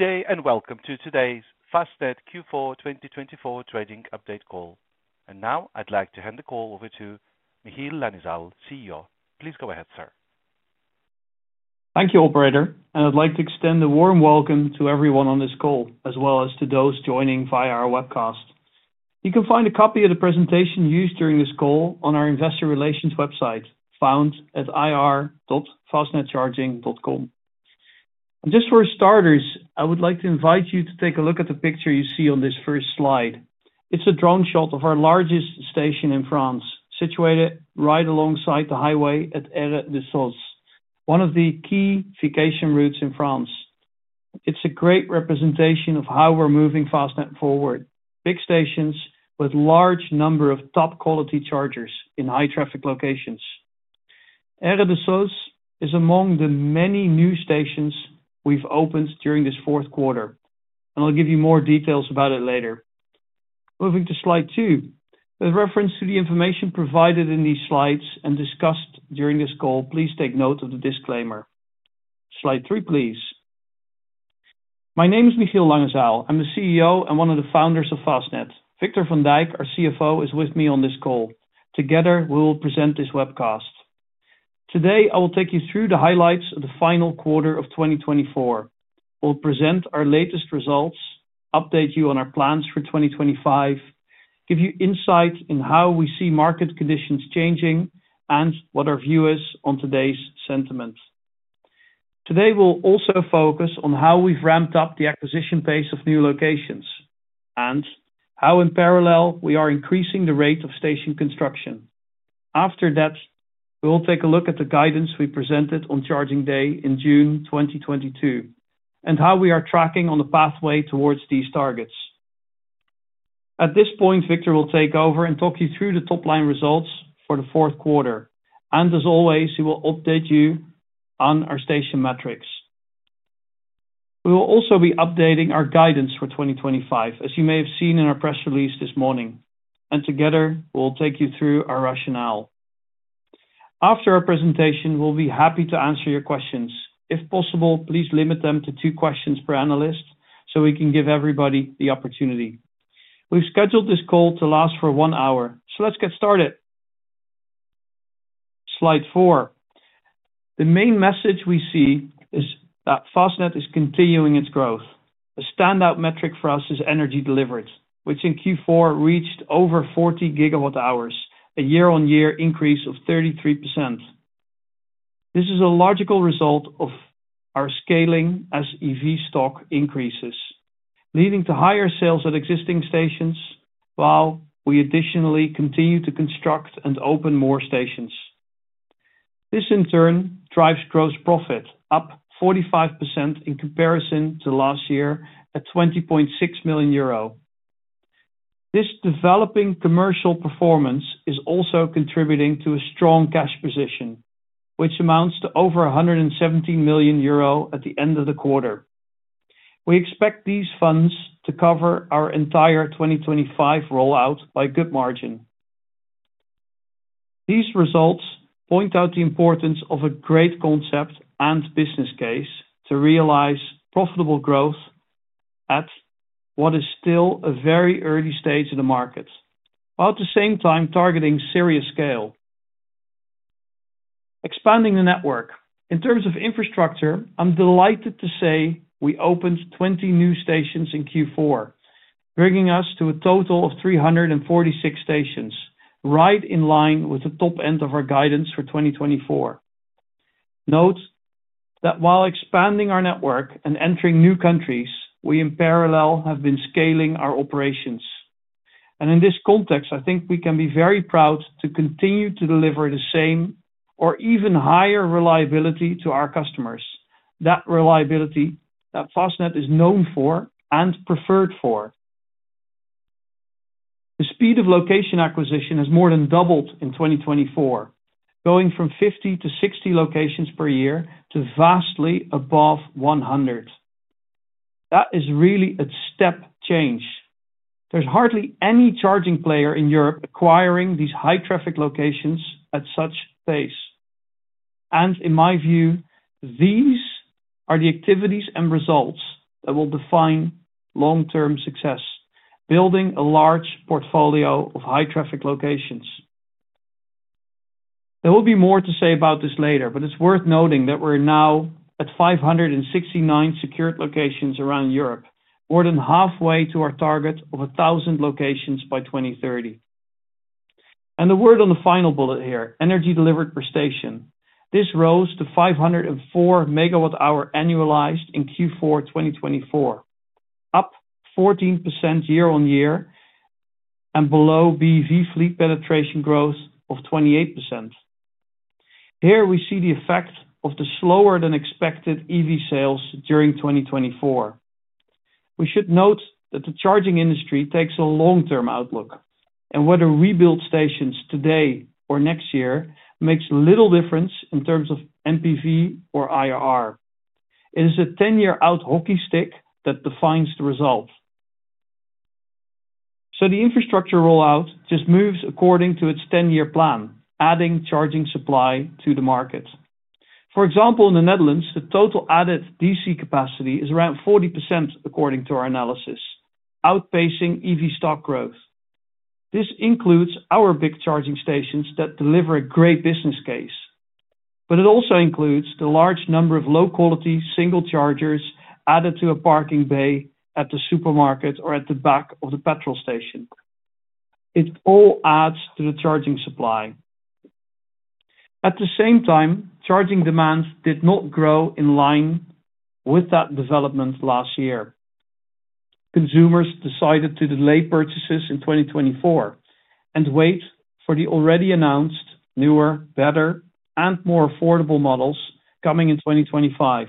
Good day and welcome to today's Fastned Q4 2024 Trading Update call, and now I'd like to hand the call over to Michiel Langezaal, CEO. Please go ahead, sir. Thank you, Operator. And I'd like to extend a warm welcome to everyone on this call, as well as to those joining via our webcast. You can find a copy of the presentation used during this call on our investor relations website, found at ir.fastnedcharging.com. And just for starters, I would like to invite you to take a look at the picture you see on this first slide. It's a drone shot of our largest station in France, situated right alongside the highway at aire de service, one of the key vacation routes in France. It's a great representation of how we're moving Fastned forward: big stations with a large number of top-quality chargers in high-traffic locations. Aire de service is among the many new stations we've opened during this fourth quarter, and I'll give you more details about it later. Moving to slide two, with reference to the information provided in these slides and discussed during this call, please take note of the disclaimer. Slide three, please. My name is Michiel Langezaal. I'm the CEO and one of the founders of Fastned. Victor van Dijk, our CFO, is with me on this call. Together, we will present this webcast. Today, I will take you through the highlights of the final quarter of 2024. We'll present our latest results, update you on our plans for 2025, give you insight in how we see market conditions changing, and what our view is on today's sentiment. Today, we'll also focus on how we've ramped up the acquisition pace of new locations and how, in parallel, we are increasing the rate of station construction. After that, we'll take a look at the guidance we presented on Charging Day in June 2022 and how we are tracking on the pathway towards these targets. At this point, Victor will take over and talk you through the top-line results for the fourth quarter. And as always, he will update you on our station metrics. We will also be updating our guidance for 2025, as you may have seen in our press release this morning. And together, we'll take you through our rationale. After our presentation, we'll be happy to answer your questions. If possible, please limit them to two questions per analyst so we can give everybody the opportunity. We've scheduled this call to last for one hour, so let's get started. Slide four. The main message we see is that Fastned is continuing its growth. A standout metric for us is energy delivered, which in Q4 reached over 40 GWh, a year-on-year increase of 33%. This is a logical result of our scaling as EV stock increases, leading to higher sales at existing stations while we additionally continue to construct and open more stations. This, in turn, drives gross profit up 45% in comparison to last year at 20.6 million euro. This developing commercial performance is also contributing to a strong cash position, which amounts to over 117 million euro at the end of the quarter. We expect these funds to cover our entire 2025 rollout by good margin. These results point out the importance of a great concept and business case to realize profitable growth at what is still a very early stage in the market, while at the same time targeting serious scale. Expanding the network. In terms of infrastructure, I'm delighted to say we opened 20 new stations in Q4, bringing us to a total of 346 stations, right in line with the top end of our guidance for 2024. Note that while expanding our network and entering new countries, we in parallel have been scaling our operations, and in this context, I think we can be very proud to continue to deliver the same or even higher reliability to our customers, that reliability that Fastned is known for and preferred for. The speed of location acquisition has more than doubled in 2024, going from 50 to 60 locations per year to vastly above 100. That is really a step change. There's hardly any charging player in Europe acquiring these high-traffic locations at such pace. In my view, these are the activities and results that will define long-term success: building a large portfolio of high-traffic locations. There will be more to say about this later, but it's worth noting that we're now at 569 secured locations around Europe, more than halfway to our target of 1,000 locations by 2030. The word on the final bullet here: energy delivered per station. This rose to 504 MWh annualized in Q4 2024, up 14% year-on-year and below BEV fleet penetration growth of 28%. Here we see the effect of the slower-than-expected EV sales during 2024. We should note that the charging industry takes a long-term outlook, and whether we build stations today or next year makes little difference in terms of NPV or IRR. It is a 10-year-out hockey stick that defines the result. The infrastructure rollout just moves according to its 10-year plan, adding charging supply to the market. For example, in the Netherlands, the total added DC capacity is around 40% according to our analysis, outpacing EV stock growth. This includes our big charging stations that deliver a great business case, but it also includes the large number of low-quality single chargers added to a parking bay at the supermarket or at the back of the petrol station. It all adds to the charging supply. At the same time, charging demand did not grow in line with that development last year. Consumers decided to delay purchases in 2024 and wait for the already announced newer, better, and more affordable models coming in 2025.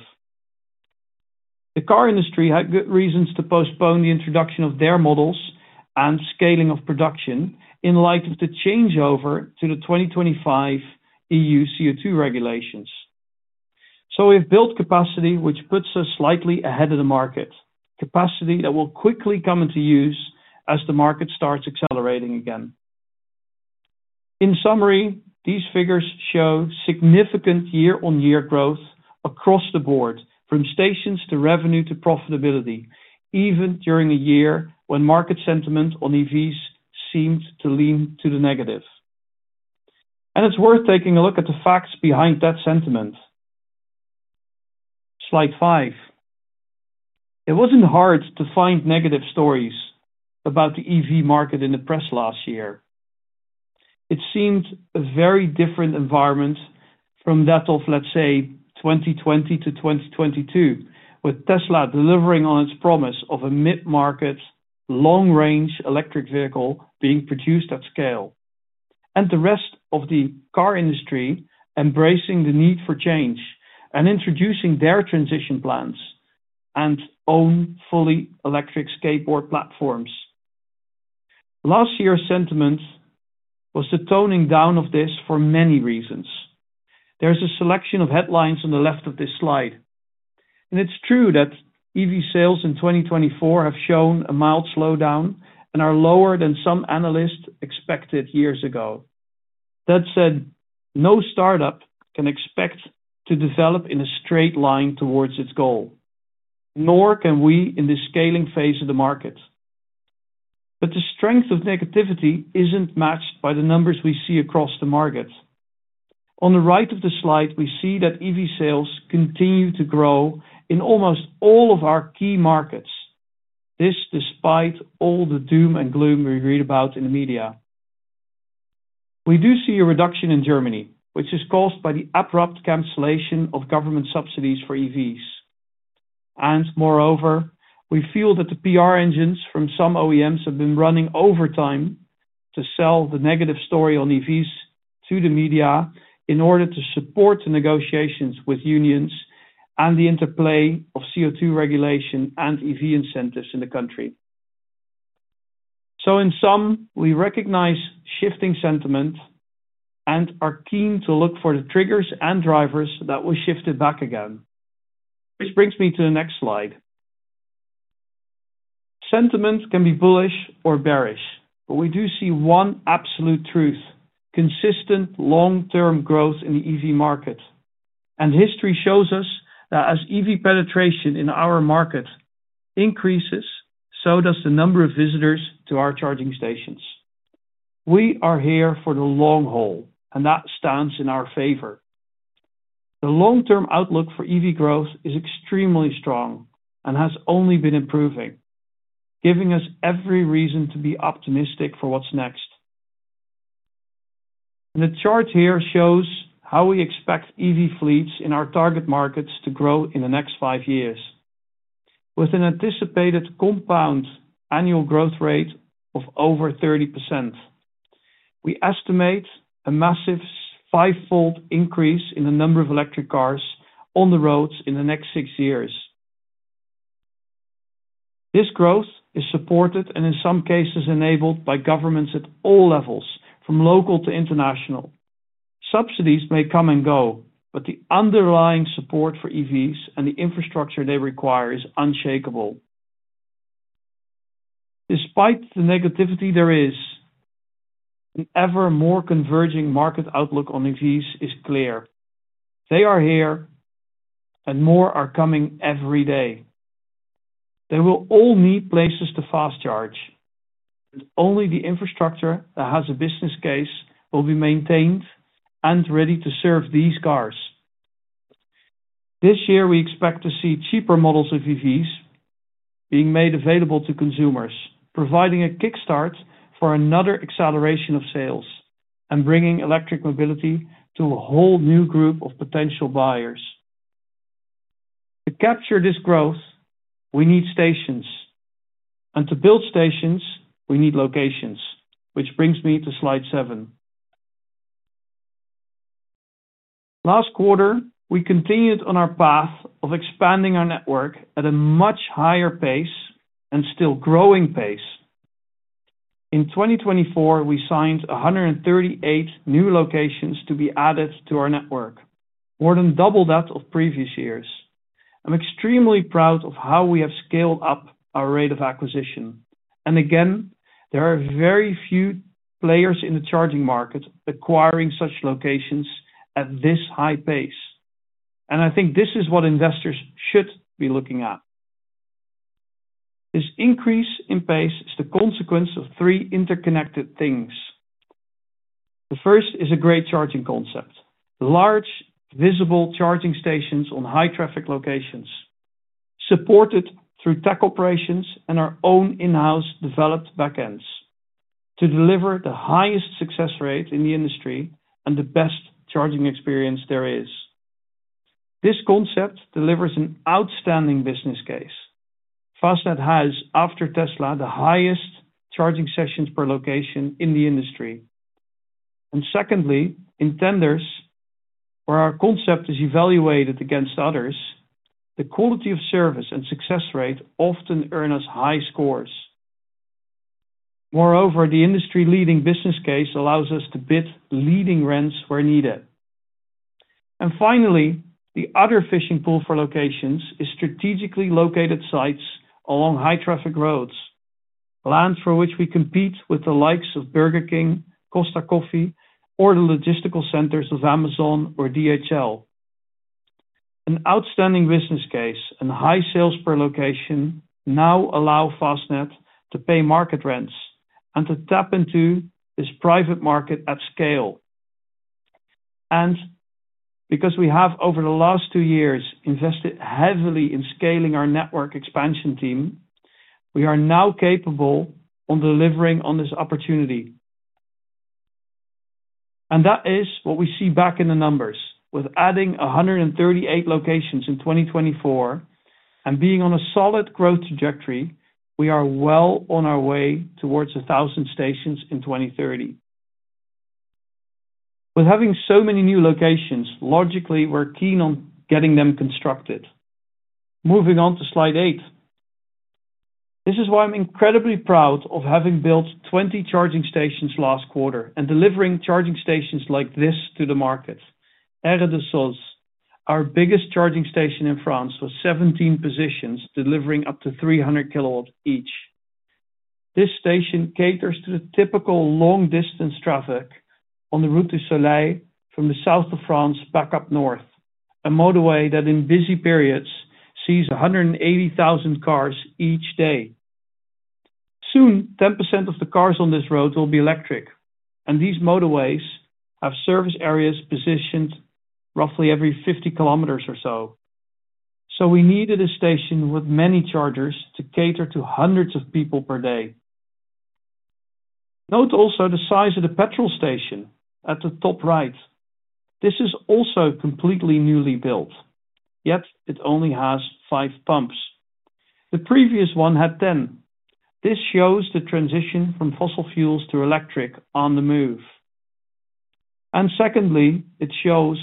The car industry had good reasons to postpone the introduction of their models and scaling of production in light of the changeover to the 2025 EU CO2 regulations. So we have built capacity, which puts us slightly ahead of the market, capacity that will quickly come into use as the market starts accelerating again. In summary, these figures show significant year-on-year growth across the board, from stations to revenue to profitability, even during a year when market sentiment on EVs seemed to lean to the negative. And it's worth taking a look at the facts behind that sentiment. Slide five. It wasn't hard to find negative stories about the EV market in the press last year. It seemed a very different environment from that of, let's say, 2020 to 2022, with Tesla delivering on its promise of a mid-market long-range electric vehicle being produced at scale, and the rest of the car industry embracing the need for change and introducing their transition plans and own fully electric skateboard platforms. Last year's sentiment was the toning down of this for many reasons. There's a selection of headlines on the left of this slide. It's true that EV sales in 2024 have shown a mild slowdown and are lower than some analysts expected years ago. That said, no startup can expect to develop in a straight line towards its goal, nor can we in this scaling phase of the market. The strength of negativity isn't matched by the numbers we see across the market. On the right of the slide, we see that EV sales continue to grow in almost all of our key markets, this despite all the doom and gloom we read about in the media. We do see a reduction in Germany, which is caused by the abrupt cancellation of government subsidies for EVs. And moreover, we feel that the PR engines from some OEMs have been running overtime to sell the negative story on EVs to the media in order to support the negotiations with unions and the interplay of CO2 regulation and EV incentives in the country. So in sum, we recognize shifting sentiment and are keen to look for the triggers and drivers that will shift it back again, which brings me to the next slide. Sentiment can be bullish or bearish, but we do see one absolute truth: consistent long-term growth in the EV market. And history shows us that as EV penetration in our market increases, so does the number of visitors to our charging stations. We are here for the long haul, and that stands in our favor. The long-term outlook for EV growth is extremely strong and has only been improving, giving us every reason to be optimistic for what's next. The chart here shows how we expect EV fleets in our target markets to grow in the next five years, with an anticipated compound annual growth rate of over 30%. We estimate a massive five-fold increase in the number of electric cars on the roads in the next six years. This growth is supported and, in some cases, enabled by governments at all levels, from local to international. Subsidies may come and go, but the underlying support for EVs and the infrastructure they require is unshakable. Despite the negativity there is, an ever more converging market outlook on EVs is clear. They are here, and more are coming every day. They will all need places to fast charge, and only the infrastructure that has a business case will be maintained and ready to serve these cars. This year, we expect to see cheaper models of EVs being made available to consumers, providing a kickstart for another acceleration of sales and bringing electric mobility to a whole new group of potential buyers. To capture this growth, we need stations, and to build stations, we need locations, which brings me to slide seven. Last quarter, we continued on our path of expanding our network at a much higher pace and still growing pace. In 2024, we signed 138 new locations to be added to our network, more than double that of previous years. I'm extremely proud of how we have scaled up our rate of acquisition. Again, there are very few players in the charging market acquiring such locations at this high pace. I think this is what investors should be looking at. This increase in pace is the consequence of three interconnected things. The first is a great charging concept: large, visible charging stations on high-traffic locations, supported through tech operations and our own in-house developed backends to deliver the highest success rate in the industry and the best charging experience there is. This concept delivers an outstanding business case. Fastned has, after Tesla, the highest charging sessions per location in the industry. Secondly, in tenders, where our concept is evaluated against others, the quality of service and success rate often earn us high scores. Moreover, the industry-leading business case allows us to bid leading rents where needed. And finally, the other fishing pool for locations is strategically located sites along high-traffic roads, lands for which we compete with the likes of Burger King, Costa Coffee, or the logistical centers of Amazon or DHL. An outstanding business case and high sales per location now allow Fastned to pay market rents and to tap into this private market at scale. And because we have, over the last two years, invested heavily in scaling our network expansion team, we are now capable of delivering on this opportunity. And that is what we see back in the numbers. With adding 138 locations in 2024 and being on a solid growth trajectory, we are well on our way towards 1,000 stations in 2030. With having so many new locations, logically, we're keen on getting them constructed. Moving on to slide eight. This is why I'm incredibly proud of having built 20 charging stations last quarter and delivering charging stations like this to the market. Aire de service, our biggest charging station in France was 17 positions, delivering up to 300 kW each. This station caters to the typical long-distance traffic on the Route du Soleil from the south of France back up north, a motorway that, in busy periods, sees 180,000 cars each day. Soon, 10% of the cars on this road will be electric, and these motorways have service areas positioned roughly every 50 kilometers or so. So we needed a station with many chargers to cater to hundreds of people per day. Note also the size of the petrol station at the top right. This is also completely newly built, yet it only has five pumps. The previous one had 10. This shows the transition from fossil fuels to electric on the move, and secondly, it shows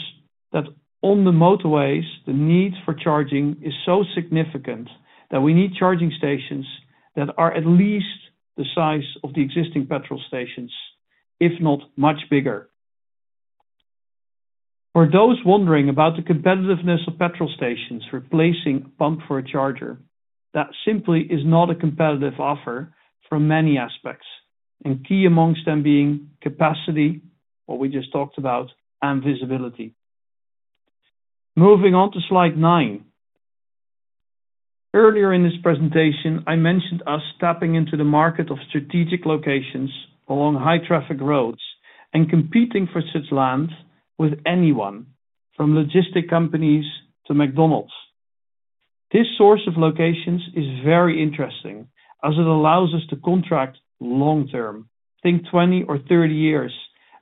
that on the motorways, the need for charging is so significant that we need charging stations that are at least the size of the existing petrol stations, if not much bigger. For those wondering about the competitiveness of petrol stations replacing a pump for a charger, that simply is not a competitive offer from many aspects, and key amongst them being capacity, what we just talked about, and visibility. Moving on to slide nine. Earlier in this presentation, I mentioned us tapping into the market of strategic locations along high-traffic roads and competing for such land with anyone, from logistics companies to McDonald's. This source of locations is very interesting as it allows us to contract long-term, think 20 or 30 years,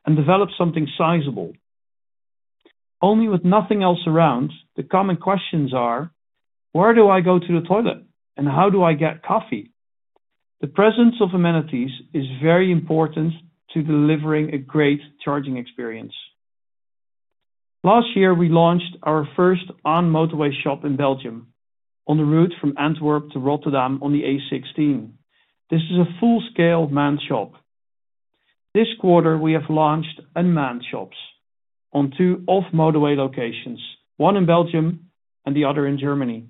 and develop something sizable. Only with nothing else around, the common questions are, "Where do I go to the toilet?" and "How do I get coffee?" The presence of amenities is very important to delivering a great charging experience. Last year, we launched our first on-motorway shop in Belgium on the route from Antwerp to Rotterdam on the A16. This is a full-scale main shop. This quarter, we have launched main shops on two off-motorway locations, one in Belgium and the other in Germany.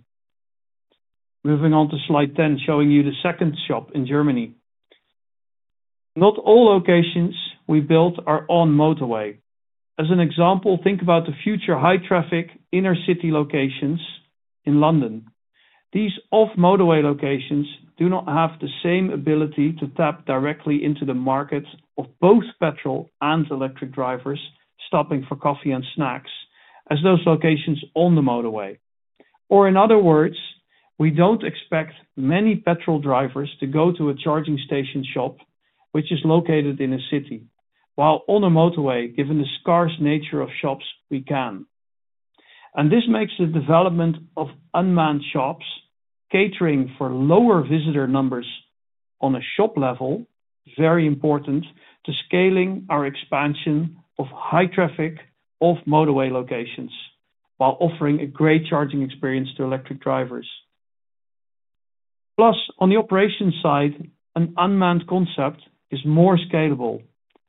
Moving on to slide 10, showing you the second shop in Germany. Not all locations we built are on-motorway. As an example, think about the future high-traffic inner-city locations in London. These off-motorway locations do not have the same ability to tap directly into the market of both petrol and electric drivers stopping for coffee and snacks as those locations on the motorway. Or in other words, we don't expect many petrol drivers to go to a charging station shop which is located in a city, while on a motorway, given the scarce nature of shops, we can. And this makes the development of unmanned shops catering for lower visitor numbers on a shop level very important to scaling our expansion of high-traffic off-motorway locations while offering a great charging experience to electric drivers. Plus, on the operations side, an unmanned concept is more scalable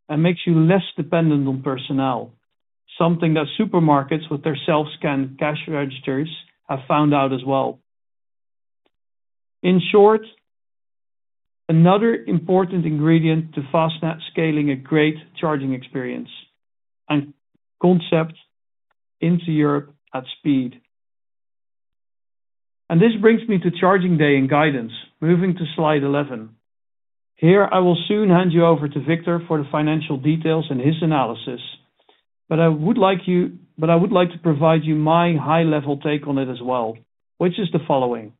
and makes you less dependent on personnel, something that supermarkets with their self-scanned cash registers have found out as well. In short, another important ingredient to fast scaling a great charging experience and concept into Europe at speed. And this brings me to Charging Day and guidance. Moving to slide 11. Here, I will soon hand you over to Victor for the financial details and his analysis, but I would like to provide you my high-level take on it as well, which is the following.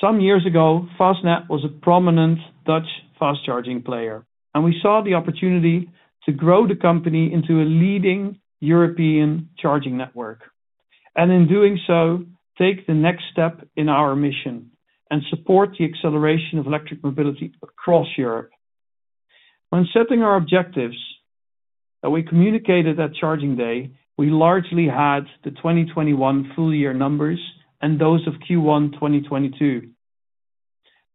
Some years ago, Fastned was a prominent Dutch fast-charging player, and we saw the opportunity to grow the company into a leading European charging network. And in doing so, take the next step in our mission and support the acceleration of electric mobility across Europe. When setting our objectives that we communicated at Charging Day, we largely had the 2021 full-year numbers and those of Q1 2022.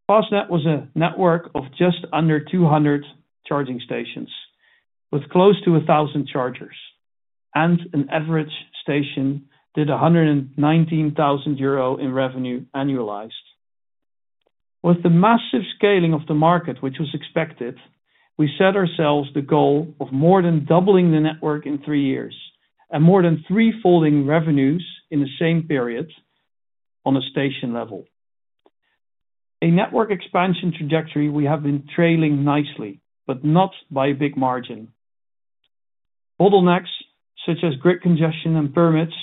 Fastned was a network of just under 200 charging stations with close to 1,000 chargers, and an average station did 119,000 euro in revenue annualized. With the massive scaling of the market, which was expected, we set ourselves the goal of more than doubling the network in three years and more than three-folding revenues in the same period on a station level. A network expansion trajectory we have been trailing nicely, but not by a big margin. Bottlenecks such as grid congestion and permits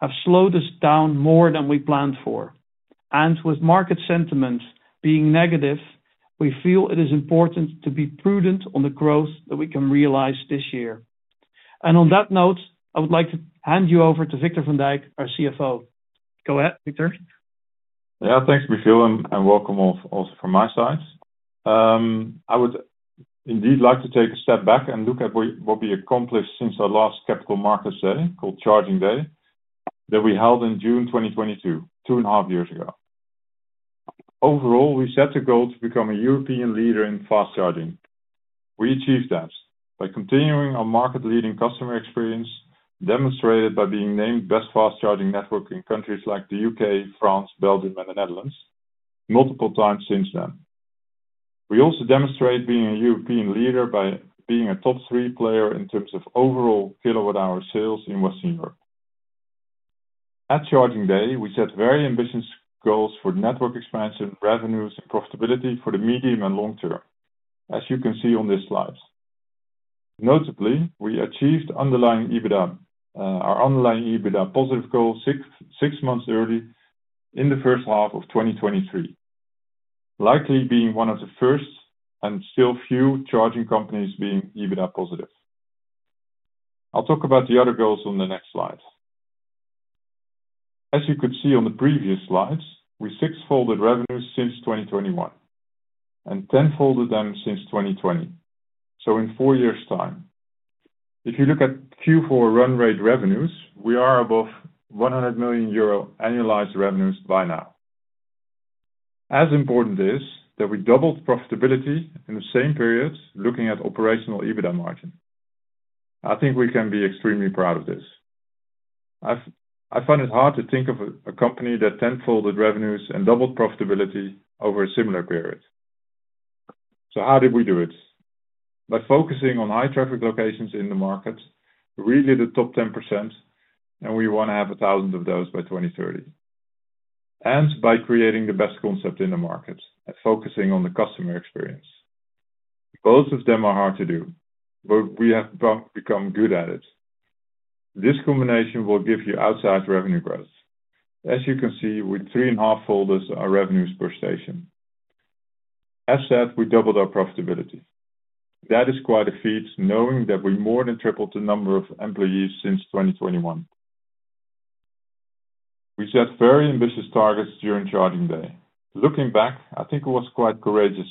have slowed us down more than we planned for, and with market sentiment being negative, we feel it is important to be prudent on the growth that we can realize this year, and on that note, I would like to hand you over to Victor van Dijk, our CFO. Go ahead, Victor. Yeah, thanks, Michiel, and welcome also from my side. I would indeed like to take a step back and look at what we accomplished since our last Capital Markets Day called Charging Day that we held in June 2022, two and a half years ago. Overall, we set a goal to become a European leader in fast charging. We achieved that by continuing our market-leading customer experience, demonstrated by being named Best Fast Charging Network in countries like the UK, France, Belgium, and the Netherlands multiple times since then. We also demonstrate being a European leader by being a top three player in terms of overall kilowatt-hour sales in Western Europe. At Charging Day, we set very ambitious goals for network expansion, revenues, and profitability for the medium and long term, as you can see on this slide. Notably, we achieved our underlying EBITDA positive goal six months early in the first half of 2023, likely being one of the first and still few charging companies being EBITDA positive. I'll talk about the other goals on the next slide. As you could see on the previous slides, we six-folded revenues since 2021 and ten-folded them since 2020, so in four years' time. If you look at Q4 run rate revenues, we are above 100 million euro annualized revenues by now. As important is that we doubled profitability in the same period, looking at operational EBITDA margin. I think we can be extremely proud of this. I find it hard to think of a company that ten-folded revenues and doubled profitability over a similar period. So how did we do it? By focusing on high-traffic locations in the market, really the top 10%, and we want to have 1,000 of those by 2030, and by creating the best concept in the market and focusing on the customer experience. Both of them are hard to do, but we have become good at it. This combination will give you outside revenue growth. As you can see, we three and a half folded our revenues per station. As said, we doubled our profitability. That is quite a feat, knowing that we more than tripled the number of employees since 2021. We set very ambitious targets during Charging Day. Looking back, I think it was quite courageous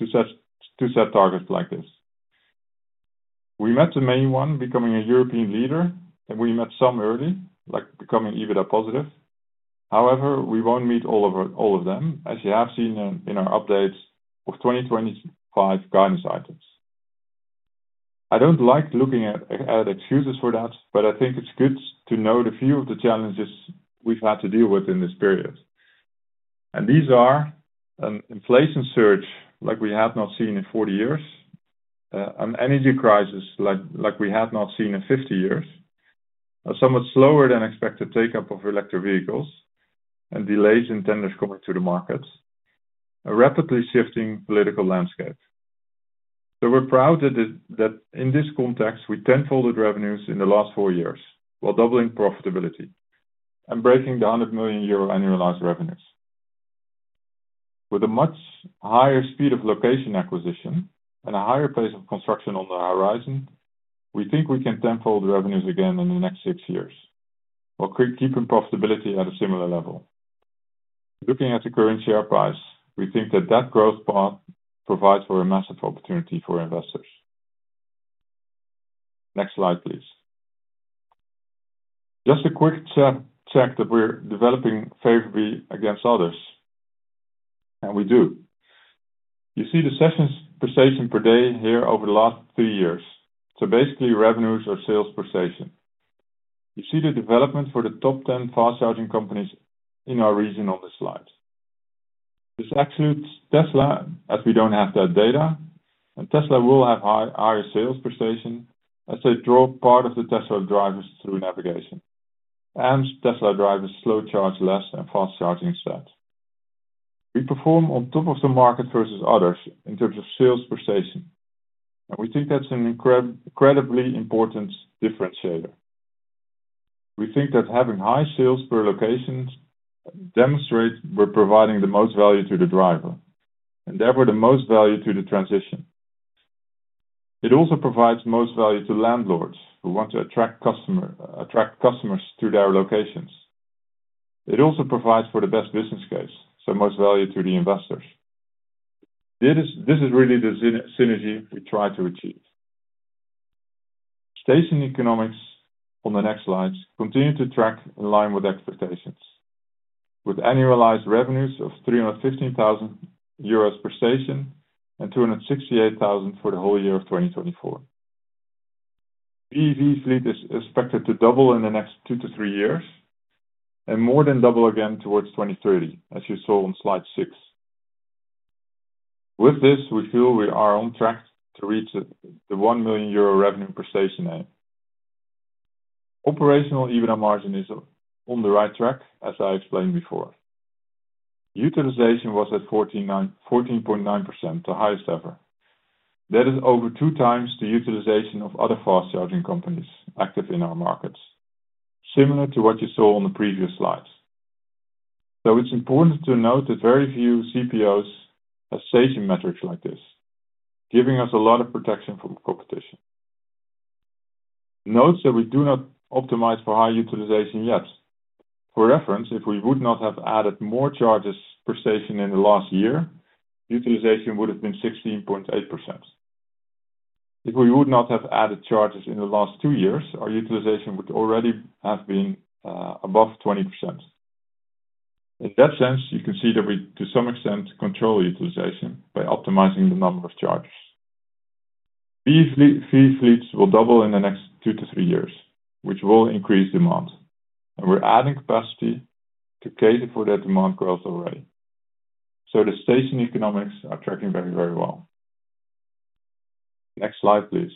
to set targets like this. We met the main one, becoming a European leader, and we met some early, like becoming EBITDA positive. However, we won't meet all of them, as you have seen in our updates of 2025 guidance items. I don't like looking at excuses for that, but I think it's good to know the few of the challenges we've had to deal with in this period. And these are an inflation surge like we have not seen in 40 years, an energy crisis like we have not seen in 50 years, a somewhat slower than expected take-up of electric vehicles, and delays in tenders coming to the market, a rapidly shifting political landscape. So we're proud that in this context, we ten-folded revenues in the last four years while doubling profitability and breaking the 100 million euro annualized revenues. With a much higher speed of location acquisition and a higher pace of construction on the horizon, we think we can ten-fold revenues again in the next six years while keeping profitability at a similar level. Looking at the current share price, we think that that growth path provides for a massive opportunity for investors. Next slide, please. Just a quick check that we're developing favorably against others, and we do. You see the sessions per station per day here over the last three years. So basically, revenues are sales per station. You see the development for the top 10 fast charging companies in our region on this slide. This excludes Tesla, as we don't have that data, and Tesla will have higher sales per station as they draw part of the Tesla drivers through navigation. And Tesla drivers slow charge less than fast charging set. We perform on top of the market versus others in terms of sales per station, and we think that's an incredibly important differentiator. We think that having high sales per location demonstrates we're providing the most value to the driver and therefore the most value to the transition. It also provides most value to landlords who want to attract customers to their locations. It also provides for the best business case, so most value to the investors. This is really the synergy we try to achieve. Station economics on the next slides continue to track in line with expectations, with annualized revenues of 315,000 euros per station and 268,000 for the whole year of 2024. The EV fleet is expected to double in the next two to three years and more than double again towards 2030, as you saw on slide six. With this, we feel we are on track to reach the 1 million euro revenue per station aim. Operational EBITDA margin is on the right track, as I explained before. Utilization was at 14.9%, the highest ever. That is over two times the utilization of other fast charging companies active in our markets, similar to what you saw on the previous slides. So it's important to note that very few CPOs have station metrics like this, giving us a lot of protection from competition. Note that we do not optimize for high utilization yet. For reference, if we would not have added more charges per station in the last year, utilization would have been 16.8%. If we would not have added charges in the last two years, our utilization would already have been above 20%. In that sense, you can see that we to some extent control utilization by optimizing the number of charges. These fleets will double in the next two to three years, which will increase demand. And we're adding capacity to cater for that demand growth already. So the station economics are tracking very, very well. Next slide, please.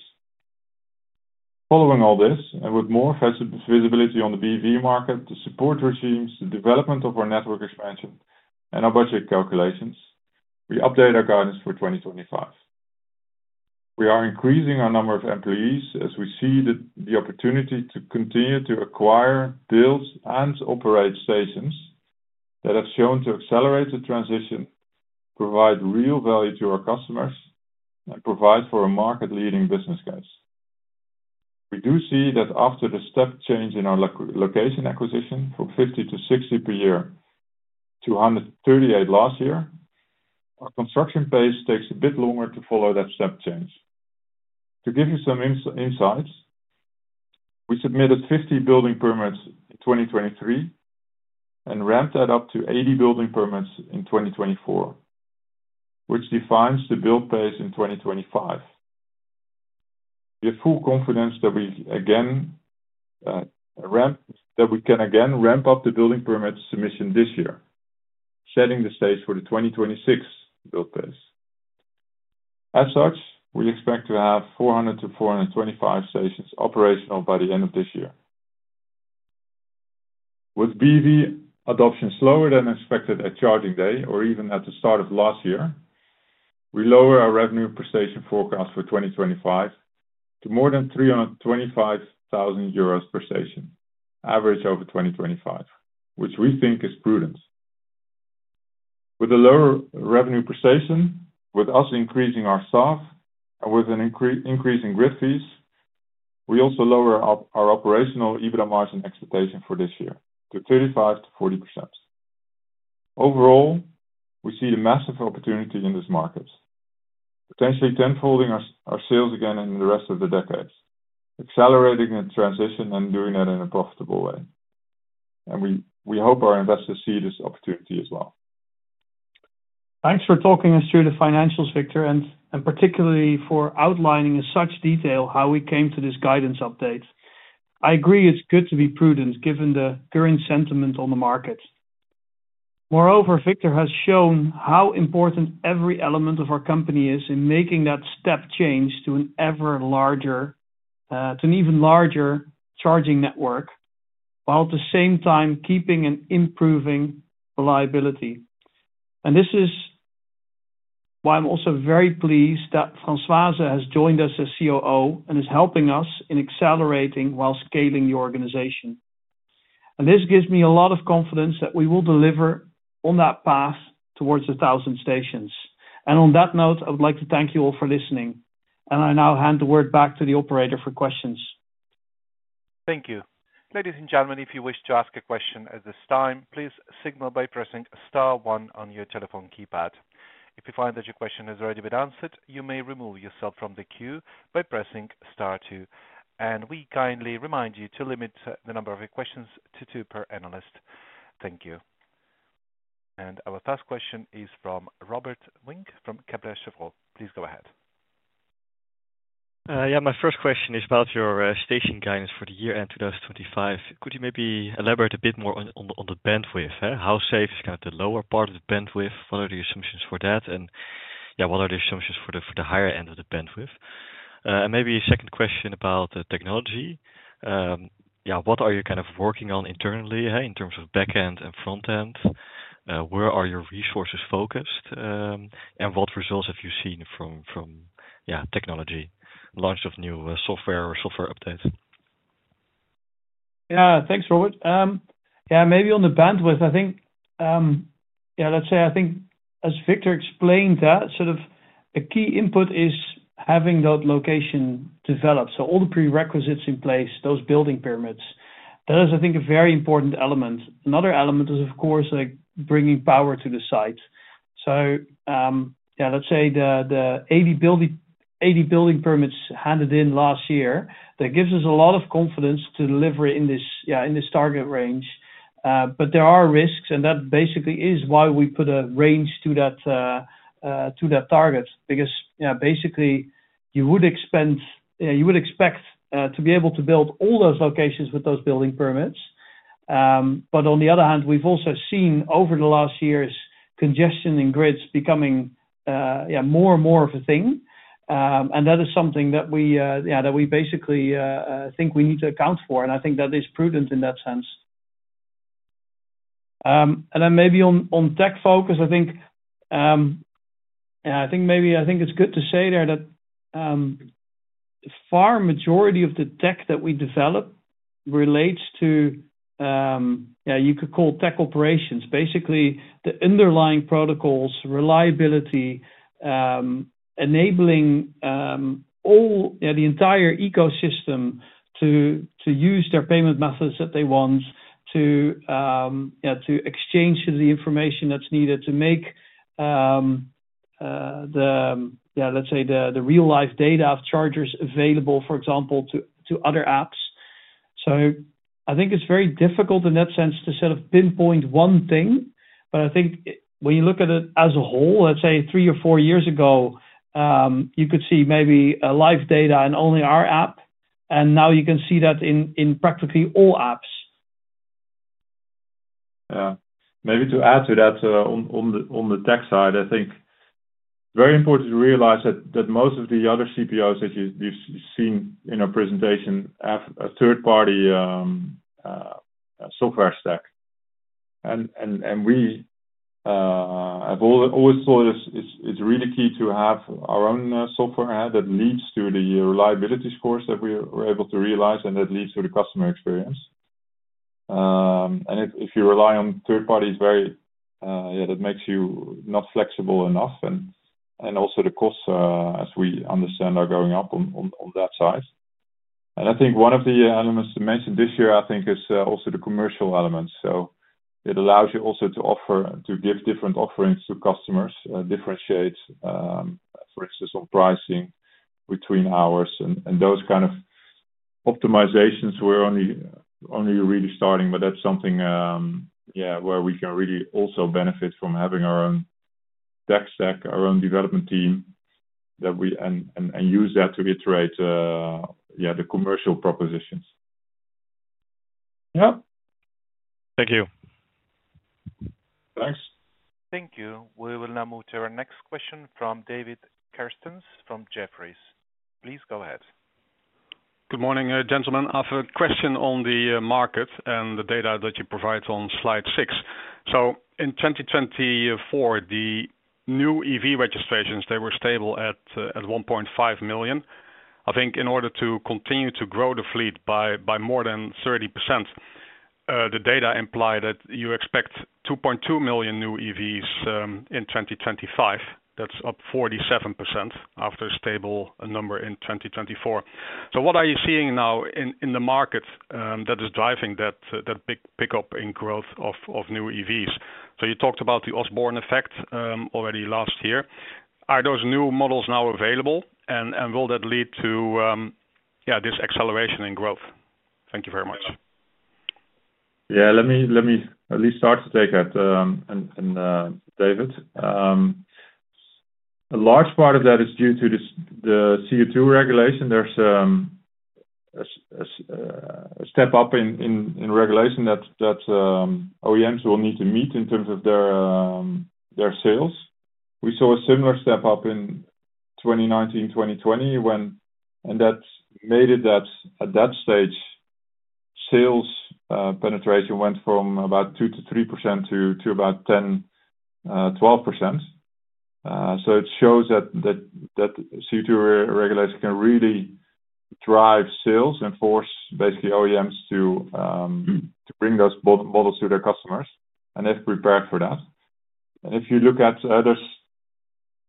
Following all this, and with more visibility on the BEV market, the support regimes, the development of our network expansion, and our budget calculations, we update our guidance for 2025. We are increasing our number of employees as we see the opportunity to continue to acquire, build, and operate stations that have shown to accelerate the transition, provide real value to our customers, and provide for a market-leading business case. We do see that after the step change in our location acquisition from 50-60 per year to 138 last year, our construction pace takes a bit longer to follow that step change. To give you some insights, we submitted 50 building permits in 2023 and ramped that up to 80 building permits in 2024, which defines the build pace in 2025. We have full confidence that we can again ramp up the building permit submission this year, setting the stage for the 2026 build pace. As such, we expect to have 400-425 stations operational by the end of this year. With BEV adoption slower than expected at Charging Day or even at the start of last year, we lower our revenue per station forecast for 2025 to more than 325,000 euros per station, average over 2025, which we think is prudent. With a lower revenue per station, with us increasing our staff and with an increase in grid fees, we also lower our operational EBITDA margin expectation for this year to 35%-40%. Overall, we see a massive opportunity in this market, potentially ten-folding our sales again in the rest of the decades, accelerating the transition and doing that in a profitable way, and we hope our investors see this opportunity as well. Thanks for talking us through the financials, Victor, and particularly for outlining in such detail how we came to this guidance update. I agree it's good to be prudent given the current sentiment on the market. Moreover, Victor has shown how important every element of our company is in making that step change to an even larger charging network while at the same time keeping and improving reliability. This is why I'm also very pleased that Françoise has joined us as COO and is helping us in accelerating while scaling the organization. This gives me a lot of confidence that we will deliver on that path towards 1,000 stations. On that note, I would like to thank you all for listening. I now hand the word back to the Operator for questions. Thank you. Ladies and gentlemen, if you wish to ask a question at this time, please signal by pressing star one on your telephone keypad. If you find that your question has already been answered, you may remove yourself from the queue by pressing star two. We kindly remind you to limit the number of your questions to two per analyst. Thank you. Our first question is from Robert Vink from Kepler Cheuvreux. Please go ahead. Yeah, my first question is about your station guidance for the year-end 2025. Could you maybe elaborate a bit more on the bandwidth? How safe is kind of the lower part of the bandwidth? What are the assumptions for that? And yeah, what are the assumptions for the higher end of the bandwidth? And maybe a second question about the technology. Yeah, what are you kind of working on internally in terms of backend and frontend? Where are your resources focused? And what results have you seen from technology, launch of new software or software updates? Yeah, thanks, Robert. Yeah, maybe on the bandwidth, I think, yeah, let's say I think, as Victor explained that, sort of a key input is having that location developed. So all the prerequisites in place, those building permits, that is, I think, a very important element. Another element is, of course, bringing power to the site, so yeah, let's say the 80 building permits handed in last year, that gives us a lot of confidence to deliver in this target range. But there are risks, and that basically is why we put a range to that target, because basically, you would expect to be able to build all those locations with those building permits, but on the other hand, we've also seen over the last years, congestion in grids becoming more and more of a thing. And that is something that we basically think we need to account for, and I think that is prudent in that sense, and then maybe on tech focus, I think maybe it's good to say there that the far majority of the tech that we develop relates to, yeah, you could call tech operations. Basically, the underlying protocols, reliability, enabling the entire ecosystem to use their payment methods that they want, to exchange the information that's needed to make, yeah, let's say the real-life data of chargers available, for example, to other apps. So I think it's very difficult in that sense to sort of pinpoint one thing. But I think when you look at it as a whole, let's say three or four years ago, you could see maybe live data in only our app. And now you can see that in practically all apps. Yeah. Maybe to add to that on the tech side, I think it's very important to realize that most of the other CPOs that you've seen in our presentation have a third-party software stack. And we have always thought it's really key to have our own software that leads to the reliability scores that we were able to realize, and that leads to the customer experience. And if you rely on third parties, yeah, that makes you not flexible enough. And also the costs, as we understand, are going up on that side. And I think one of the elements to mention this year, I think, is also the commercial elements. So it allows you also to give different offerings to customers, differentiate, for instance, on pricing between hours and those kind of optimizations we're only really starting. But that's something, yeah, where we can really also benefit from having our own tech stack, our own development team, and use that to iterate, yeah, the commercial propositions. Yeah. Thank you. Thanks. Thank you. We will now move to our next question from David Kerstens from Jefferies. Please go ahead. Good morning, gentlemen. I have a question on the market and the data that you provide on slide six. So in 2024, the new EV registrations, they were stable at 1.5 million. I think in order to continue to grow the fleet by more than 30%, the data imply that you expect 2.2 million new EVs in 2025. That's up 47% after a stable number in 2024. So what are you seeing now in the market that is driving that big pickup in growth of new EVs? So you talked about the Osborne effect already last year. Are those new models now available? And will that lead to, yeah, this acceleration in growth? Thank you very much. Yeah, let me at least start to take that, David. A large part of that is due to the CO2 regulation. There's a step up in regulation that OEMs will need to meet in terms of their sales. We saw a similar step up in 2019, 2020, and that made it that at that stage, sales penetration went from about 2%-3% to about 10%-12%. So it shows that CO2 regulation can really drive sales and force basically OEMs to bring those models to their customers and have prepared for that. And if you look at others,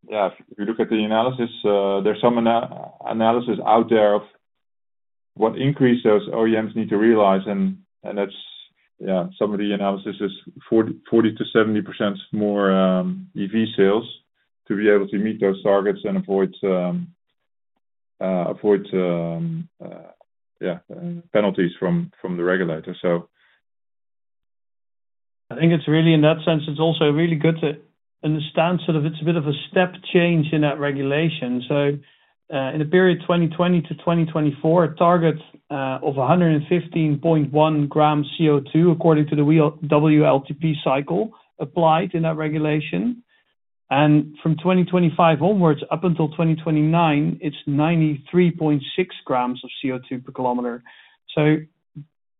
yeah, if you look at the analysis, there's some analysis out there of what increase those OEMs need to realize. And that's, yeah, some of the analysis is 40%-70% more EV sales to be able to meet those targets and avoid, yeah, penalties from the regulator, so. I think it's really in that sense. It's also really good to understand sort of it's a bit of a step change in that regulation. So in the period 2020 to 2024, a target of 115.1 grams CO2, according to the WLTP cycle, applied in that regulation. And from 2025 onwards, up until 2029, it's 93.6 grams of CO2 per kilometer. So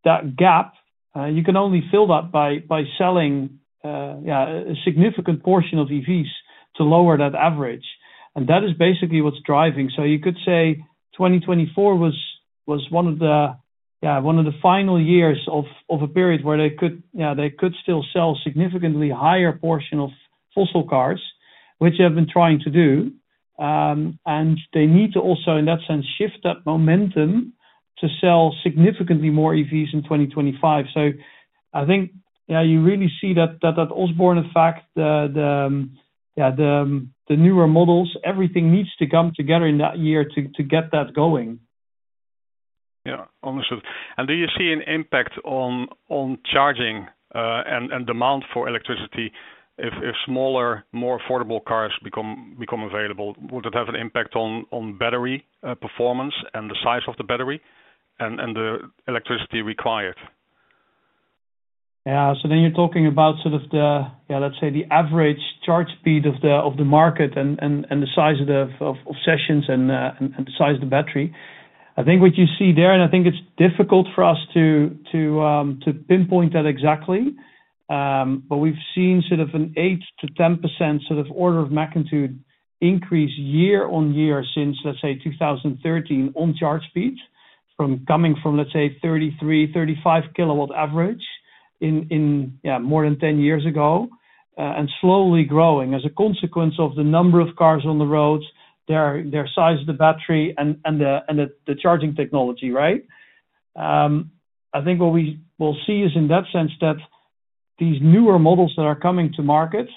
that gap, you can only fill that by selling, yeah, a significant portion of EVs to lower that average. And that is basically what's driving. So you could say 2024 was one of the, yeah, one of the final years of a period where they could still sell a significantly higher portion of fossil cars, which they have been trying to do. And they need to also, in that sense, shift that momentum to sell significantly more EVs in 2025. So I think, yeah, you really see that Osborne effect, the newer models, everything needs to come together in that year to get that going. Yeah, understood. And do you see an impact on charging and demand for electricity if smaller, more affordable cars become available? Would it have an impact on battery performance and the size of the battery and the electricity required? Yeah, so then you're talking about sort of the, yeah, let's say the average charge speed of the market and the size of sessions and the size of the battery. I think what you see there, and I think it's difficult for us to pinpoint that exactly, but we've seen sort of an 8%-10% sort of order of magnitude increase year-on-year since, let's say, 2013 on charge speeds from coming from, let's say, 33 kW-35 kW average in, yeah, more than 10 years ago and slowly growing as a consequence of the number of cars on the roads, their size of the battery, and the charging technology, right? I think what we will see is in that sense that these newer models that are coming to market,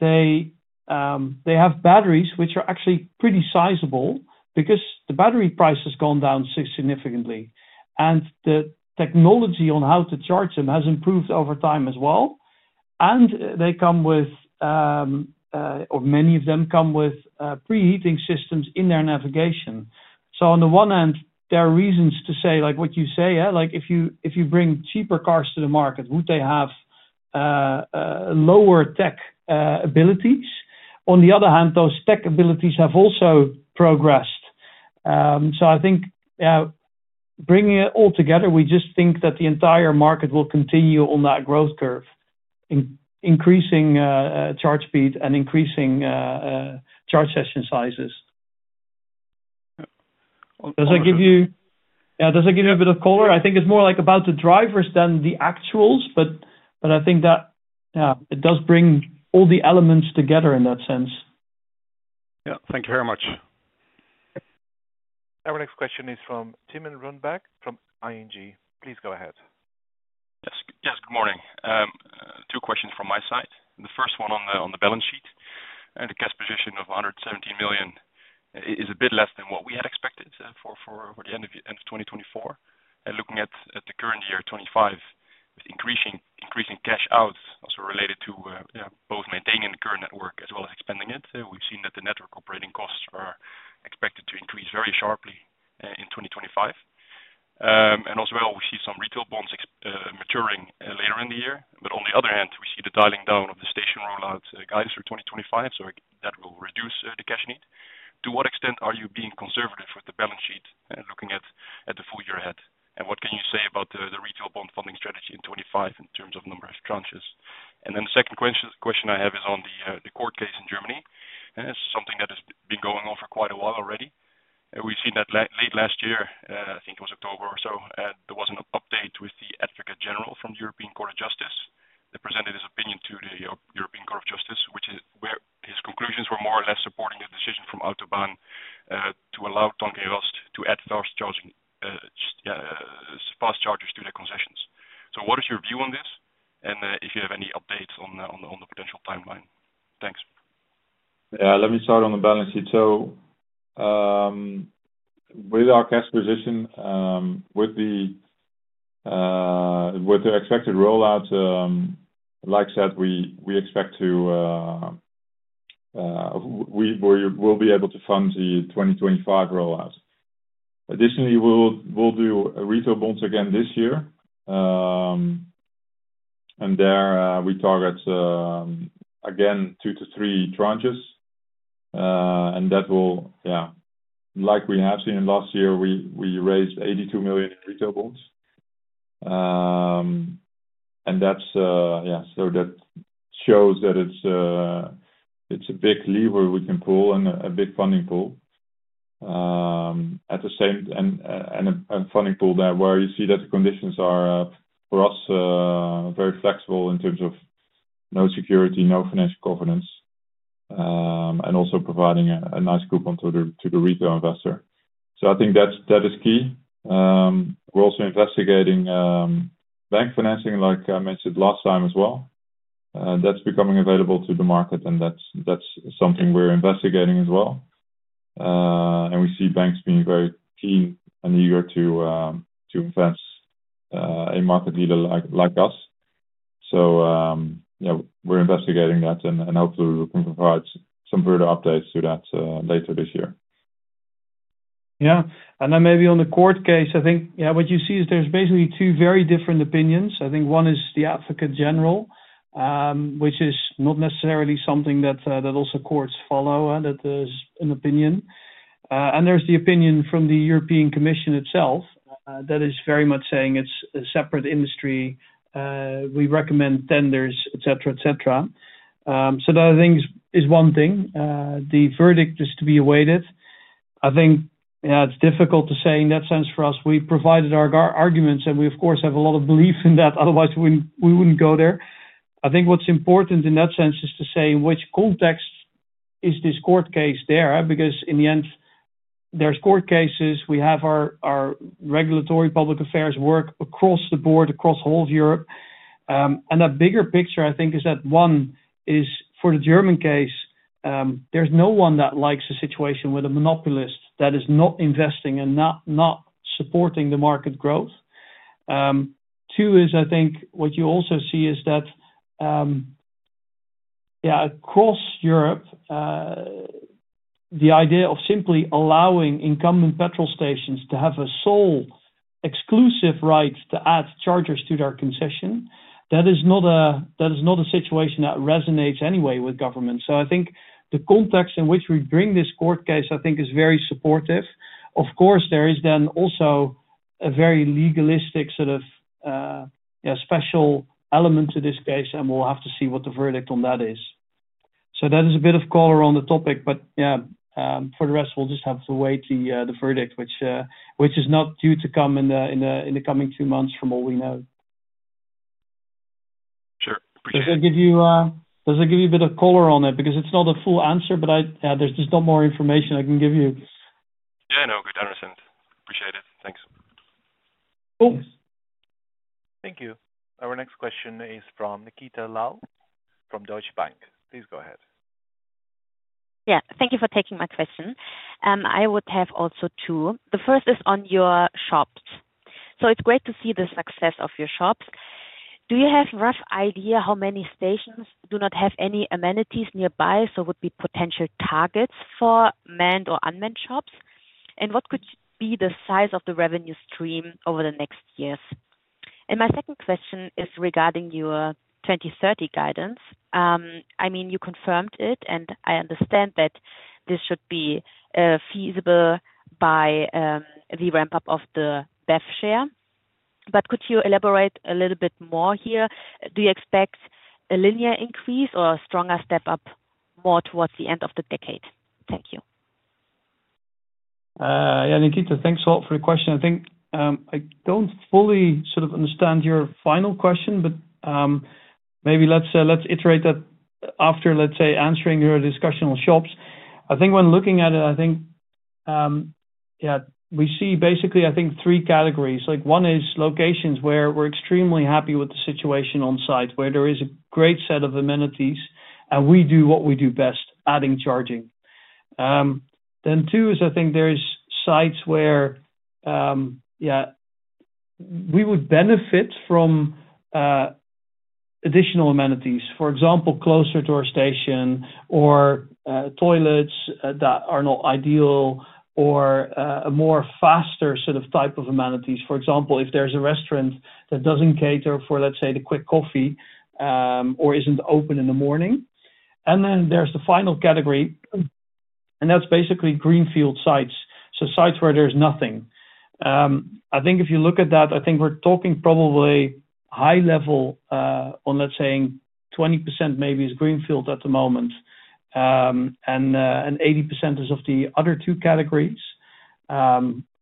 they have batteries which are actually pretty sizable because the battery price has gone down significantly. And the technology on how to charge them has improved over time as well. And they come with, or many of them come with preheating systems in their navigation. So on the one hand, there are reasons to say, like what you say, yeah, like if you bring cheaper cars to the market, would they have lower tech abilities? On the other hand, those tech abilities have also progressed. So I think, yeah, bringing it all together, we just think that the entire market will continue on that growth curve, increasing charge speed and increasing charge session sizes. Does that give you, yeah, does that give you a bit of color? I think it's more like about the drivers than the actuals, but I think that, yeah, it does bring all the elements together in that sense. Yeah, thank you very much. Our next question is from Thymen Rundberg from ING. Please go ahead. Yes, good morning. Two questions from my side. The first one on the balance sheet. The cash position of 117 million is a bit less than what we had expected for the end of 2024. And looking at the current year, 25, with increasing cash out also related to both maintaining the current network as well as expanding it, we've seen that the network operating costs are expected to increase very sharply in 2025. And as well, we see some retail bonds maturing later in the year. But on the other hand, we see the dialing down of the station rollout guidance for 2025, so that will reduce the cash need. To what extent are you being conservative with the balance sheet looking at the full year ahead? And what can you say about the retail bond funding strategy in 25 in terms of number of tranches? And then the second question I have is on the court case in Germany. It's something that has been going on for quite a while already. We've seen that late last year, I think it was October or so, there was an update with the Advocate General from the European Court of Justice. He presented his opinion to the European Court of Justice, where his conclusions were more or less supporting the decision from Autobahn to allow Tank & Rast to add fast chargers to their concessions. So what is your view on this? And if you have any updates on the potential timeline. Thanks. Yeah, let me start on the balance sheet. So with our cash position, with the expected rollout, like I said, we will be able to fund the 2025 rollout. Additionally, we'll do retail bonds again this year. And there we target, again, two to three tranches. And that will, yeah, like we have seen last year, we raised 82 million in retail bonds. And that's, yeah, so that shows that it's a big lever we can pull and a big funding pool. At the same time, and a funding pool there where you see that the conditions are for us very flexible in terms of no security, no financial covenants, and also providing a nice coupon to the retail investor. So I think that is key. We're also investigating bank financing, like I mentioned last time as well. That's becoming available to the market, and that's something we're investigating as well. And we see banks being very keen and eager to invest in a market leader like us. So, yeah, we're investigating that, and hopefully we can provide some further updates to that later this year. Yeah. And then maybe on the court case, I think, yeah, what you see is there's basically two very different opinions. I think one is the Advocate General, which is not necessarily something that also courts follow, that is an opinion. And there's the opinion from the European Commission itself that is very much saying it's a separate industry. We recommend tenders, etc., etc. So that I think is one thing. The verdict is to be awaited. I think, yeah, it's difficult to say in that sense for us. We provided our arguments, and we, of course, have a lot of belief in that. Otherwise, we wouldn't go there. I think what's important in that sense is to say in which context is this court case there, because in the end, there's court cases. We have our regulatory public affairs work across the board, across all of Europe. That bigger picture, I think, is that one is for the German case. There's no one that likes a situation with a monopolist that is not investing and not supporting the market growth. Two is, I think, what you also see is that, yeah, across Europe, the idea of simply allowing incumbent petrol stations to have a sole exclusive right to add chargers to their concession, that is not a situation that resonates anyway with governments. I think the context in which we bring this court case, I think, is very supportive. Of course, there is then also a very legalistic sort of, yeah, special element to this case, and we'll have to see what the verdict on that is. So that is a bit of color on the topic, but yeah, for the rest, we'll just have to wait the verdict, which is not due to come in the coming two months for all we know. Sure. Does that give you a bit of color on it? Because it's not a full answer, but there's just not more information I can give you. Yeah, no, good understand. Appreciate it. Thanks. Cool. Thank you. Our next question is from Nikita Lal from Deutsche Bank. Please go ahead. Yeah, thank you for taking my question. I would have also two. The first is on your shops. So it's great to see the success of your shops. Do you have a rough idea how many stations do not have any amenities nearby? So would be potential targets for manned or unmanned shops? And what could be the size of the revenue stream over the next years? And my second question is regarding your 2030 guidance. I mean, you confirmed it, and I understand that this should be feasible by the ramp-up of the BEV share. But could you elaborate a little bit more here? Do you expect a linear increase or a stronger step up more towards the end of the decade? Thank you. Yeah, Nikita, thanks a lot for your question. I think I don't fully sort of understand your final question, but maybe let's iterate that after, let's say, answering your discussion on shops. I think when looking at it, I think, yeah, we see basically, I think, three categories. One is locations where we're extremely happy with the situation on site, where there is a great set of amenities, and we do what we do best, adding charging. Then, two, is, I think, sites where, yeah, we would benefit from additional amenities, for example, closer to our station or toilets that are not ideal or a more faster sort of type of amenities. For example, if there's a restaurant that doesn't cater for, let's say, the quick coffee or isn't open in the morning. And then there's the final category, and that's basically greenfield sites, so sites where there's nothing. I think if you look at that, I think we're talking probably high level on, let's say, 20% maybe is greenfield at the moment, and 80% is of the other two categories,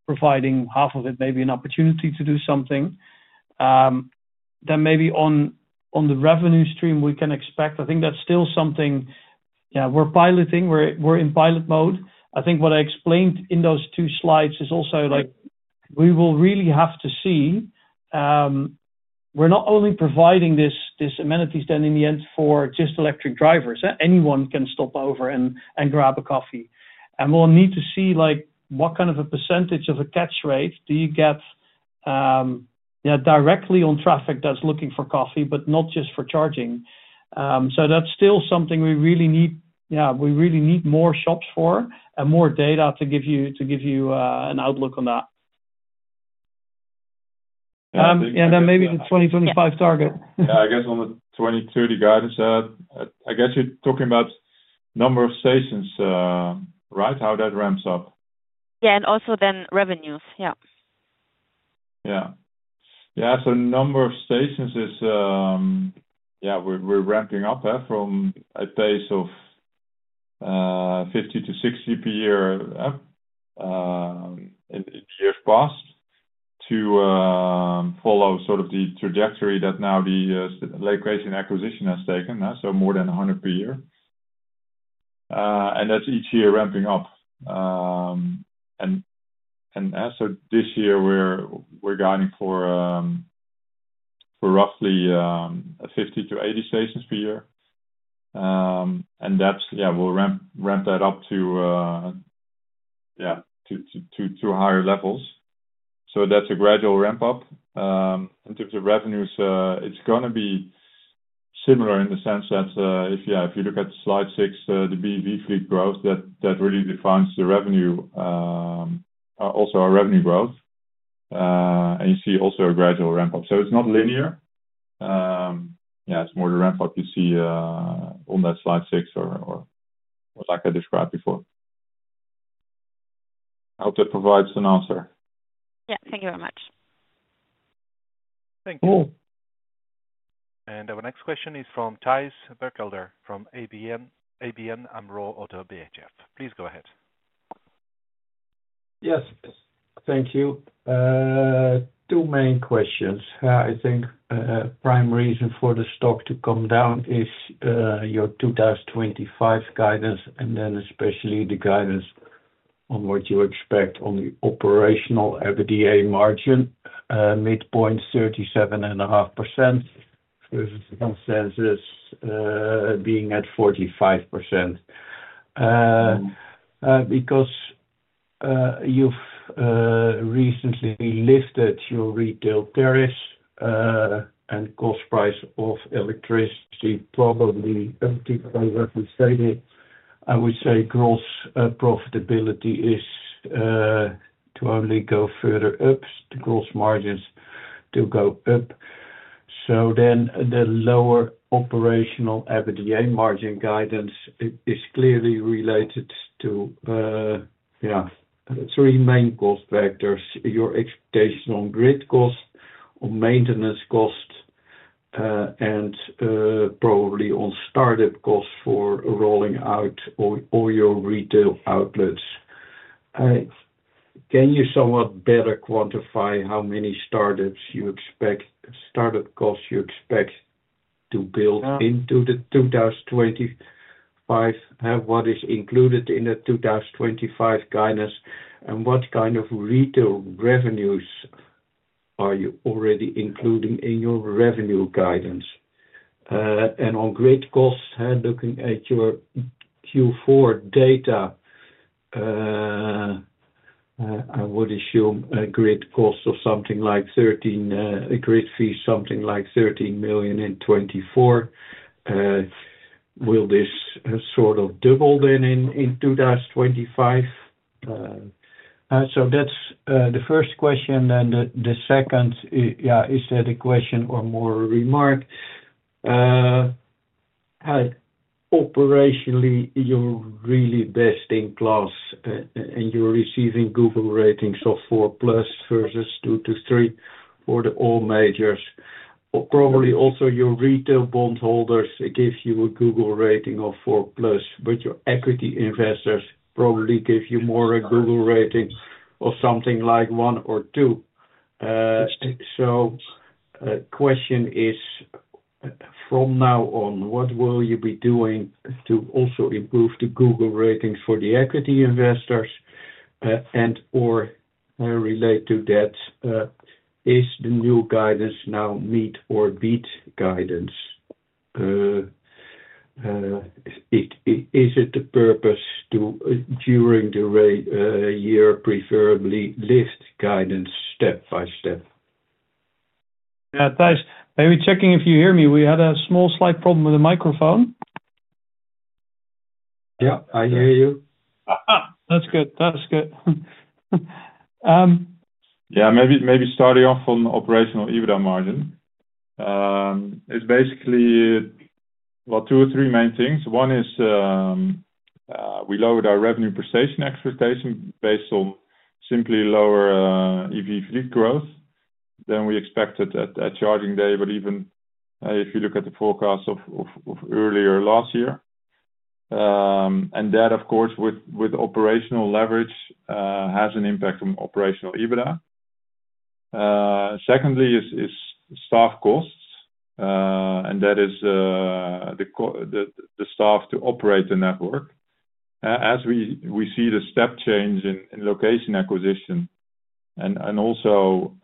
providing half of it maybe an opportunity to do something. Then maybe on the revenue stream, we can expect, I think that's still something, yeah, we're piloting, we're in pilot mode. I think what I explained in those two slides is also like we will really have to see we're not only providing these amenities then in the end for just electric drivers. Anyone can stop over and grab a coffee. We'll need to see what kind of a percentage of a catch rate do you get, yeah, directly on traffic that's looking for coffee, but not just for charging. That's still something we really need, yeah, we really need more shops for and more data to give you an outlook on that. Yeah, then maybe the 2025 target. Yeah, I guess on the 2030 guidance, I guess you're talking about number of stations, right? How that ramps up? Yeah, and also then revenues, yeah. Yeah, so the number of stations is, yeah, we're ramping up from a pace of 50-60 per year in years past to follow sort of the trajectory that now the location acquisition has taken, so more than 100 per year. And that's each year ramping up. And so this year, we're guiding for roughly 50-80 stations per year. And that's, yeah, we'll ramp that up to, yeah, to higher levels. So that's a gradual ramp-up. In terms of revenues, it's going to be similar in the sense that, yeah, if you look at slide six, the BEV fleet growth, that really defines the revenue, also our revenue growth. And you see also a gradual ramp-up. So it's not linear. Yeah, it's more the ramp-up you see on that slide six or like I described before. I hope that provides an answer. Yeah, thank you very much. Thank you. Cool. And our next question is from Thijs Berkelder from ABN AMRO-ODDO BHF. Please go ahead. Yes, thank you. Two main questions. I think the prime reason for the stock to come down is your 2025 guidance, and then especially the guidance on what you expect on the operational EBITDA margin, midpoint 37.5% versus consensus being at 45%. Because you've recently lifted your retail tariffs and cost price of electricity probably up to, as I said, I would say gross profitability is to only go further up, to gross margins to go up. So then the lower operational EBITDA margin guidance is clearly related to, yeah, three main cost factors: your expectation on grid cost, on maintenance cost, and probably on startup costs for rolling out all your retail outlets. Can you somewhat better quantify how many startups you expect, startup costs you expect to build into the 2025? What is included in the 2025 guidance? And what kind of retail revenues are you already including in your revenue guidance? And on grid costs, looking at your Q4 data, I would assume a grid cost of something like 13 million in 2024. Will this sort of double then in 2025? So that's the first question. And the second, yeah, is that a question or more a remark? Operationally, you're really best in class, and you're receiving Google ratings of 4+ versus 2-3 for all majors. Probably also your retail bondholders give you a Google rating of 4+, but your equity investors probably give you more a Google rating of something like 1 or 2. So the question is, from now on, what will you be doing to also improve the Google ratings for the equity investors and/or relate to that, is the new guidance now meet or beat guidance? Is it the purpose to, during the year, preferably lift guidance step by step? Yeah, Thijs. Maybe checking if you hear me. We had a small slight problem with the microphone. Yeah, I hear you. That's good. That's good. Yeah, maybe starting off on operational EBITDA margin. It's basically two or three main things. One is we lowered our revenue per station expectation based on simply lower EV fleet growth than we expected at Charging Day, but even if you look at the forecasts from earlier last year. And that, of course, with operational leverage has an impact on operational EBITDA. Secondly is staff costs, and that is the staff to operate the network. As we see the step change in location acquisition and also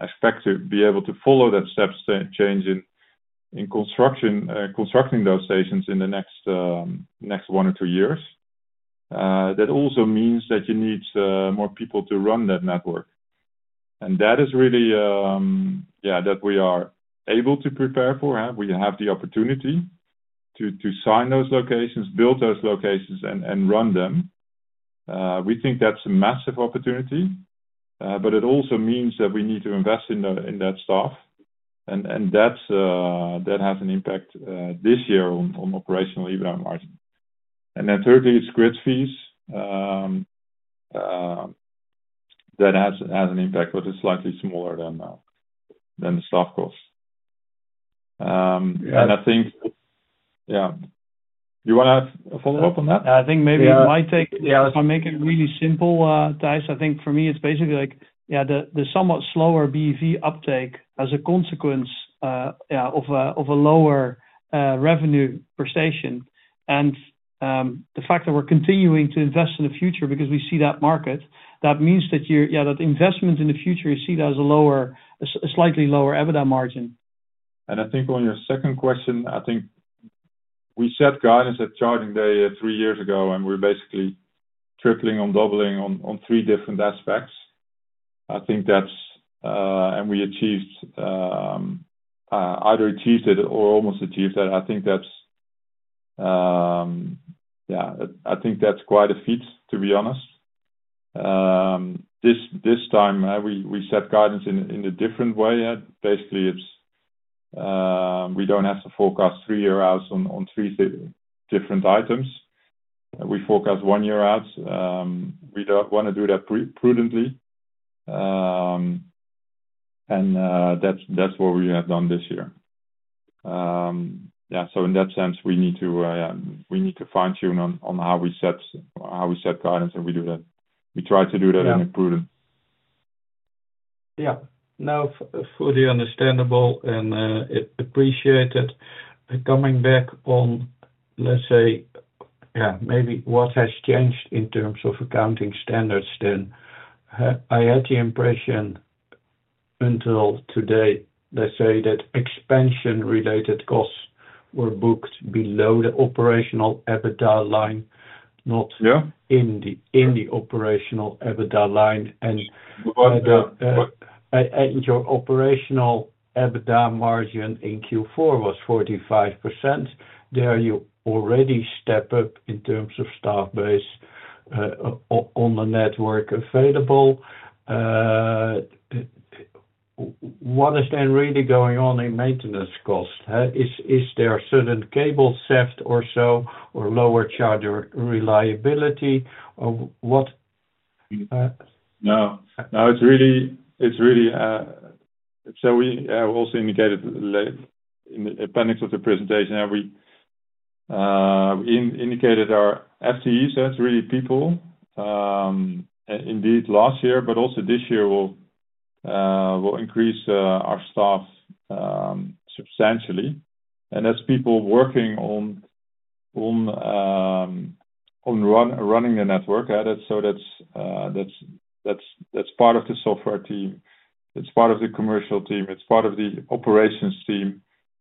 expect to be able to follow that step change in constructing those stations in the next one or two years, that also means that you need more people to run that network. And that is really, yeah, that we are able to prepare for. We have the opportunity to sign those locations, build those locations, and run them. We think that's a massive opportunity, but it also means that we need to invest in that stuff. And that has an impact this year on operational EBITDA margin. And then thirdly, it's grid fees. That has an impact, but it's slightly smaller than the staff cost. And I think, yeah, do you want to follow up on that? I think maybe it might take if I make it really simple, Thijs. I think for me, it's basically like, yeah, the somewhat slower BEV uptake as a consequence, yeah, of a lower revenue per station. And the fact that we're continuing to invest in the future because we see that market, that means that, yeah, that investment in the future is seen as a slightly lower EBITDA margin. And I think on your second question, I think we set guidance at the Charging Day three years ago, and we're basically tripling and doubling on three different aspects. I think that's, and we either achieved it or almost achieved that. I think that's, yeah, I think that's quite a feat, to be honest. This time, we set guidance in a different way. Basically, we don't have to forecast three-year outlooks on three different items. We forecast one-year outlooks. We want to do that prudently. And that's what we have done this year. Yeah. So in that sense, we need to, yeah, we need to fine-tune on how we set guidance, and we do that. We try to do that in a prudent way. Yeah. No, fully understandable and appreciated. Coming back on, let's say, yeah, maybe what has changed in terms of accounting standards then, I had the impression until today, let's say, that expansion-related costs were booked below the operational EBITDA line, not in the operational EBITDA line. And your operational EBITDA margin in Q4 was 45%. There you already step up in terms of staff base on the network available. What is then really going on in maintenance cost? Is there a sudden cable theft or so or lower charger reliability? What? No, it's really so we also indicated in the appendix of the presentation. We indicated our FTEs. That's really people. Indeed last year, but also this year will increase our staff substantially. And that's people working on running the network. So that's part of the software team. It's part of the commercial team. It's part of the operations team,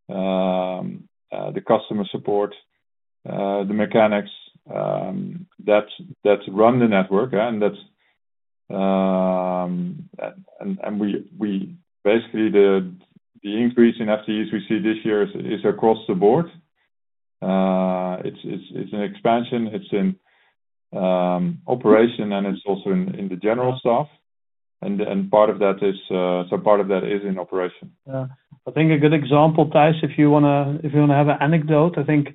the customer support, the mechanics that run the network. And we basically, the increase in FTEs we see this year is across the board. It's an expansion. It's in operation, and it's also in the general staff. And part of that is, so part of that is in operation. I think a good example, Thijs. If you want to have an anecdote, I think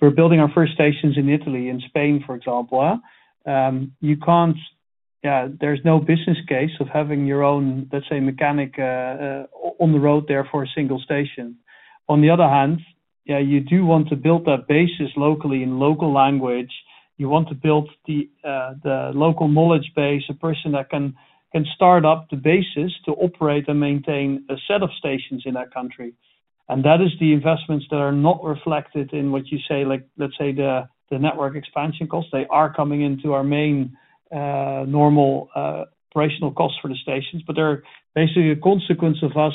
we're building our first stations in Italy, in Spain, for example. Yeah, there's no business case of having your own, let's say, mechanic on the road there for a single station. On the other hand, yeah, you do want to build that basis locally in local language. You want to build the local knowledge base, a person that can start up the basis to operate and maintain a set of stations in that country. And that is the investments that are not reflected in what you say, let's say, the network expansion costs. They are coming into our main normal operational costs for the stations, but they're basically a consequence of us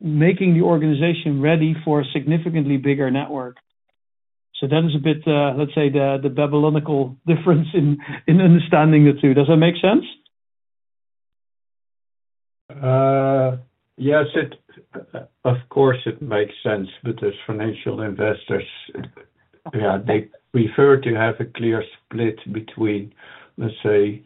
making the organization ready for a significantly bigger network. So that is a bit, let's say, the Babylonian difference in understanding the two. Does that make sense? Yes. Of course, it makes sense, but as financial investors, yeah, they prefer to have a clear split between, let's say,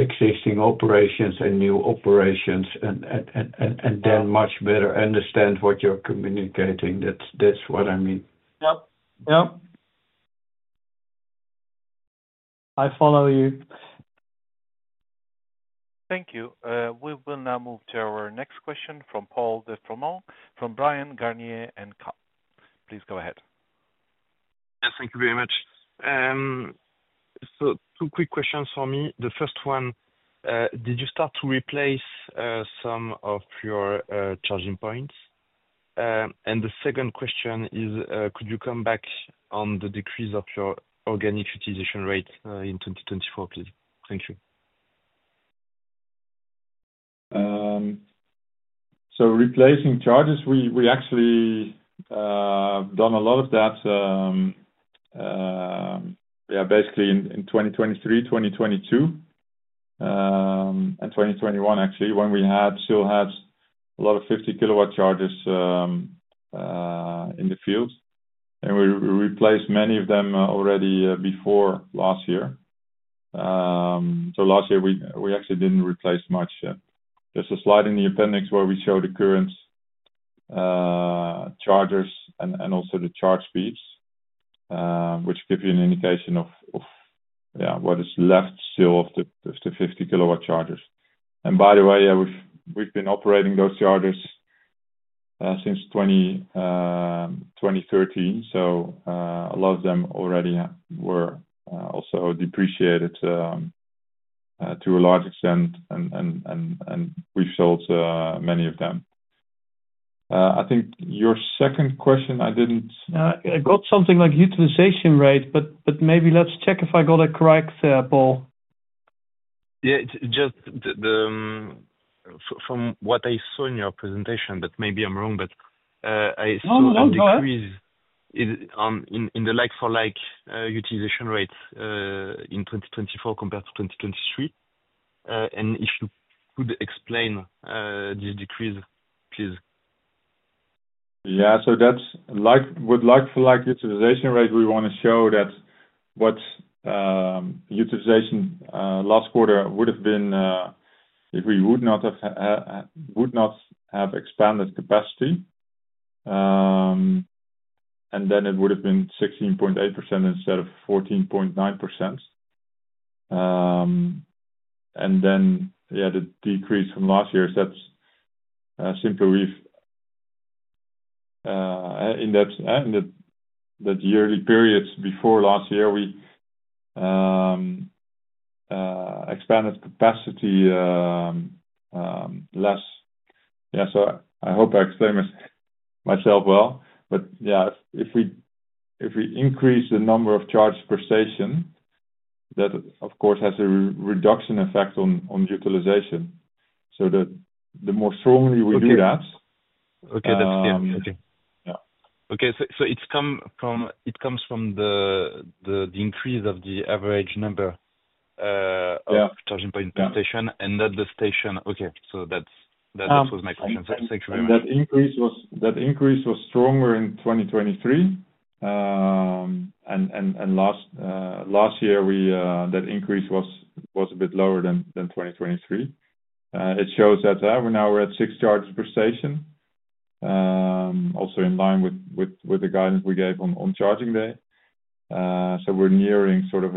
existing operations and new operations and then much better understand what you're communicating. That's what I mean. Yep. Yep. I follow you. Thank you. We will now move to our next question from Paul de Froment, from Bryan, Garnier & Co. Please go ahead. Yes, thank you very much. So two quick questions for me. The first one, did you start to replace some of your charging points? And the second question is, could you come back on the decrease of your organic utilization rate in 2024, please? Thank you. So replacing chargers, we actually done a lot of that, yeah, basically in 2023, 2022, and 2021, actually, when we still had a lot of 50 kW chargers in the field. And we replaced many of them already before last year. So last year, we actually didn't replace much. There's a slide in the Appendix where we show the current chargers and also the charge speeds, which gives you an indication of, yeah, what is left still of the 50 kW chargers. And by the way, we've been operating those chargers since 2013. So a lot of them already were also depreciated to a large extent, and we've sold many of them. I think your second question, I didn't. I got something like utilization rate, but maybe let's check if I got it correct there, Paul. Yeah. Just from what I saw in your presentation, but maybe I'm wrong, but I saw a decrease in the like-for-like utilization rate in 2024 compared to 2023. And if you could explain this decrease, please. Yeah. So, with like-for-like utilization rate, we want to show that what utilization last quarter would have been if we would not have expanded capacity. And then it would have been 16.8% instead of 14.9%. And then, yeah, the decrease from last year is that simply in that yearly period before last year, we expanded capacity less. Yeah. So I hope I explain myself well. But yeah, if we increase the number of charges per station, that, of course, has a reduction effect on utilization. So the more strongly we do that. Okay. That's clear. Okay. Okay. So it comes from the increase of the average number of charging points per station and not the station. Okay. So that was my question. Thank you very much. That increase was stronger in 2023. And last year, that increase was a bit lower than 2023. It shows that now we're at six chargers per station, also in line with the guidance we gave on Charging Day. So we're nearing sort of,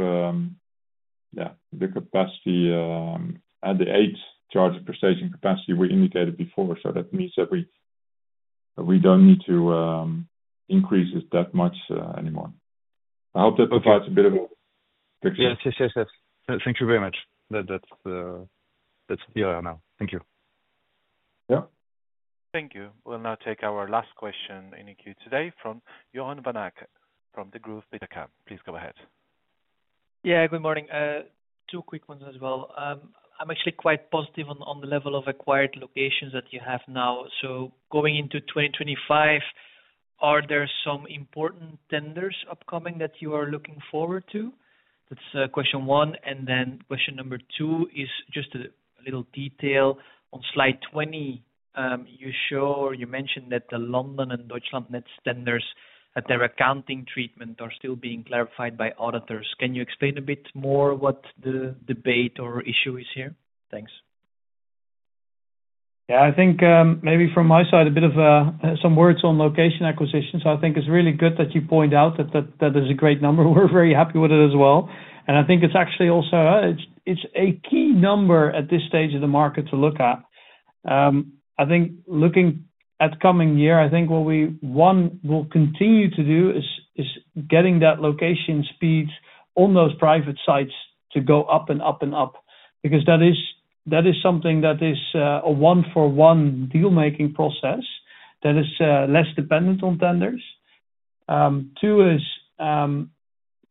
yeah, the capacity at the eight chargers per station capacity we indicated before. So that means that we don't need to increase it that much anymore. I hope that provides a bit of a picture. Yes. Yes. Yes. Yes. Thank you very much. That's clear now. Thank you. Yep. Thank you. We'll now take our last question in the queue today from Joren Van Aken from Degroof Petercam. Please go ahead. Yeah. Good morning. Two quick ones as well. I'm actually quite positive on the level of acquired locations that you have now. So going into 2025, are there some important tenders upcoming that you are looking forward to? That's question one. And then question number two is just a little detail. On slide 20, you show or you mentioned that the London and Deutschlandnetz tenders, that their accounting treatment are still being clarified by auditors. Can you explain a bit more what the debate or issue is here? Thanks. Yeah. I think maybe from my side, a bit of some words on location acquisitions. I think it's really good that you point out that that is a great number. We're very happy with it as well. And I think it's actually also a key number at this stage of the market to look at. I think looking at coming year, I think what we will continue to do is getting that location speeds on those private sites to go up and up and up because that is something that is a one-for-one deal-making process that is less dependent on tenders. Two is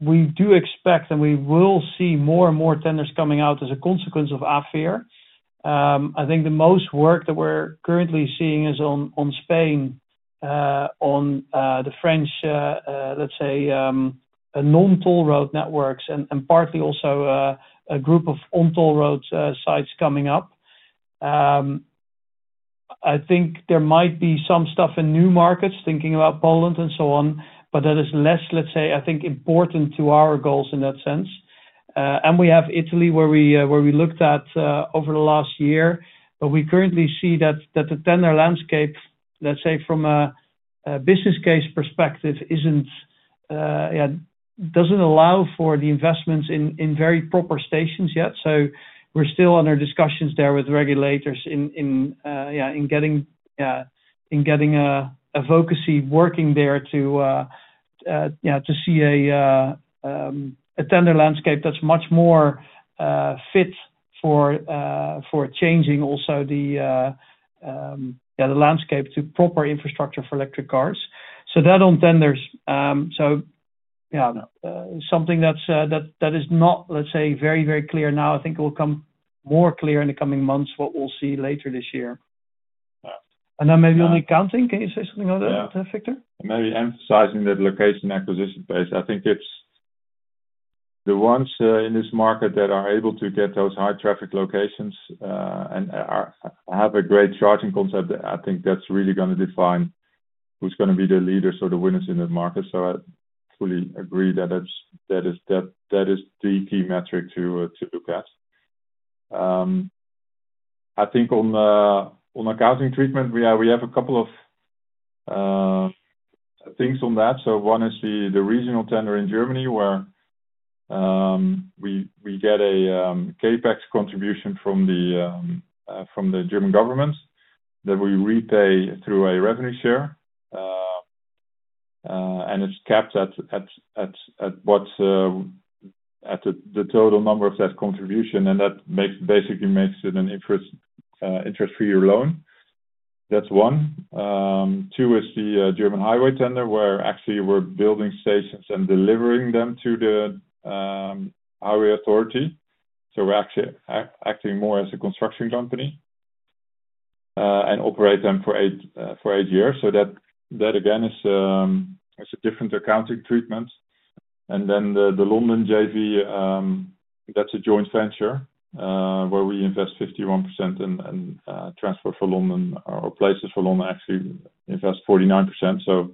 we do expect and we will see more and more tenders coming out as a consequence of AFIR. I think the most work that we're currently seeing is on Spain, on the French, let's say, non-toll road networks, and partly also a group of on-toll road sites coming up. I think there might be some stuff in new markets thinking about Poland and so on, but that is less, let's say, I think important to our goals in that sense. And we have Italy where we looked at over the last year, but we currently see that the tender landscape, let's say, from a business case perspective, doesn't allow for the investments in very proper stations yet. We're still under discussions there with regulators on getting advocacy working there to see a tender landscape that's much more fit for charging, also the landscape to proper infrastructure for electric cars. So that on tenders. So yeah, something that is not, let's say, very, very clear now. I think it will come more clear in the coming months what we'll see later this year. And then maybe on the acquisition, can you say something on that, Victor? Maybe emphasizing that location acquisition pace. I think it's the ones in this market that are able to get those high-traffic locations and have a great charging concept. I think that's really going to define who's going to be the leaders or the winners in the market. So I fully agree that that is the key metric to look at. I think on accounting treatment, we have a couple of things on that. So one is the regional tender in Germany where we get a CapEx contribution from the German Government that we repay through a revenue share. And it's capped at the total number of that contribution, and that basically makes it an interest-free loan. That's one. Two is the German highway tender where actually we're building stations and delivering them to the highway authority. So we're actually acting more as a construction company and operate them for eight years. So that, again, is a different accounting treatment. And then the London JV, that's a joint venture where we invest 51% and Transport for London or Places for London actually invest 49%. So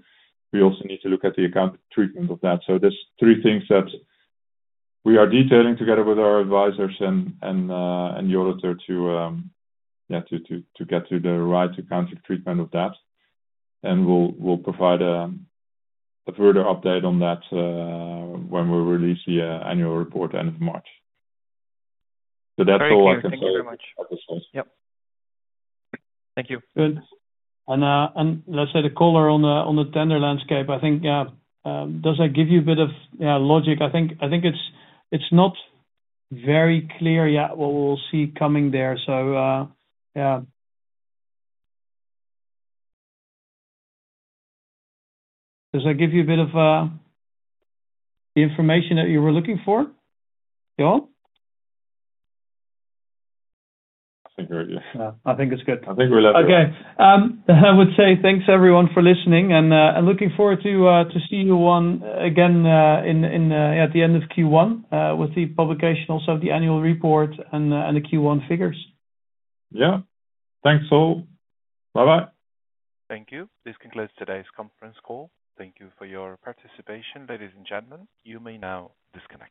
we also need to look at the accounting treatment of that. So there's three things that we are detailing together with our advisors and the auditor to get to the right accounting treatment of that. And we'll provide a further update on that when we release the annual report at the end of March. So that's all I can say. Thank you very much. Yep. Thank you. And let's close the call on the tender landscape, I think. Yeah, does that give you a bit of logic? I think it's not very clear yet what we'll see coming there. So yeah. Does that give you a bit of the information that you were looking for, Joren? I think we're good. I think it's good. Let's go. Okay. I would say thanks, everyone, for listening, and looking forward to seeing you again at the end of Q1 with the publication also of the Annual Report and the Q1 figures. Yeah. Thanks all. Bye-bye. Thank you. This concludes today's conference call. Thank you for your participation, ladies and gentlemen. You may now disconnect.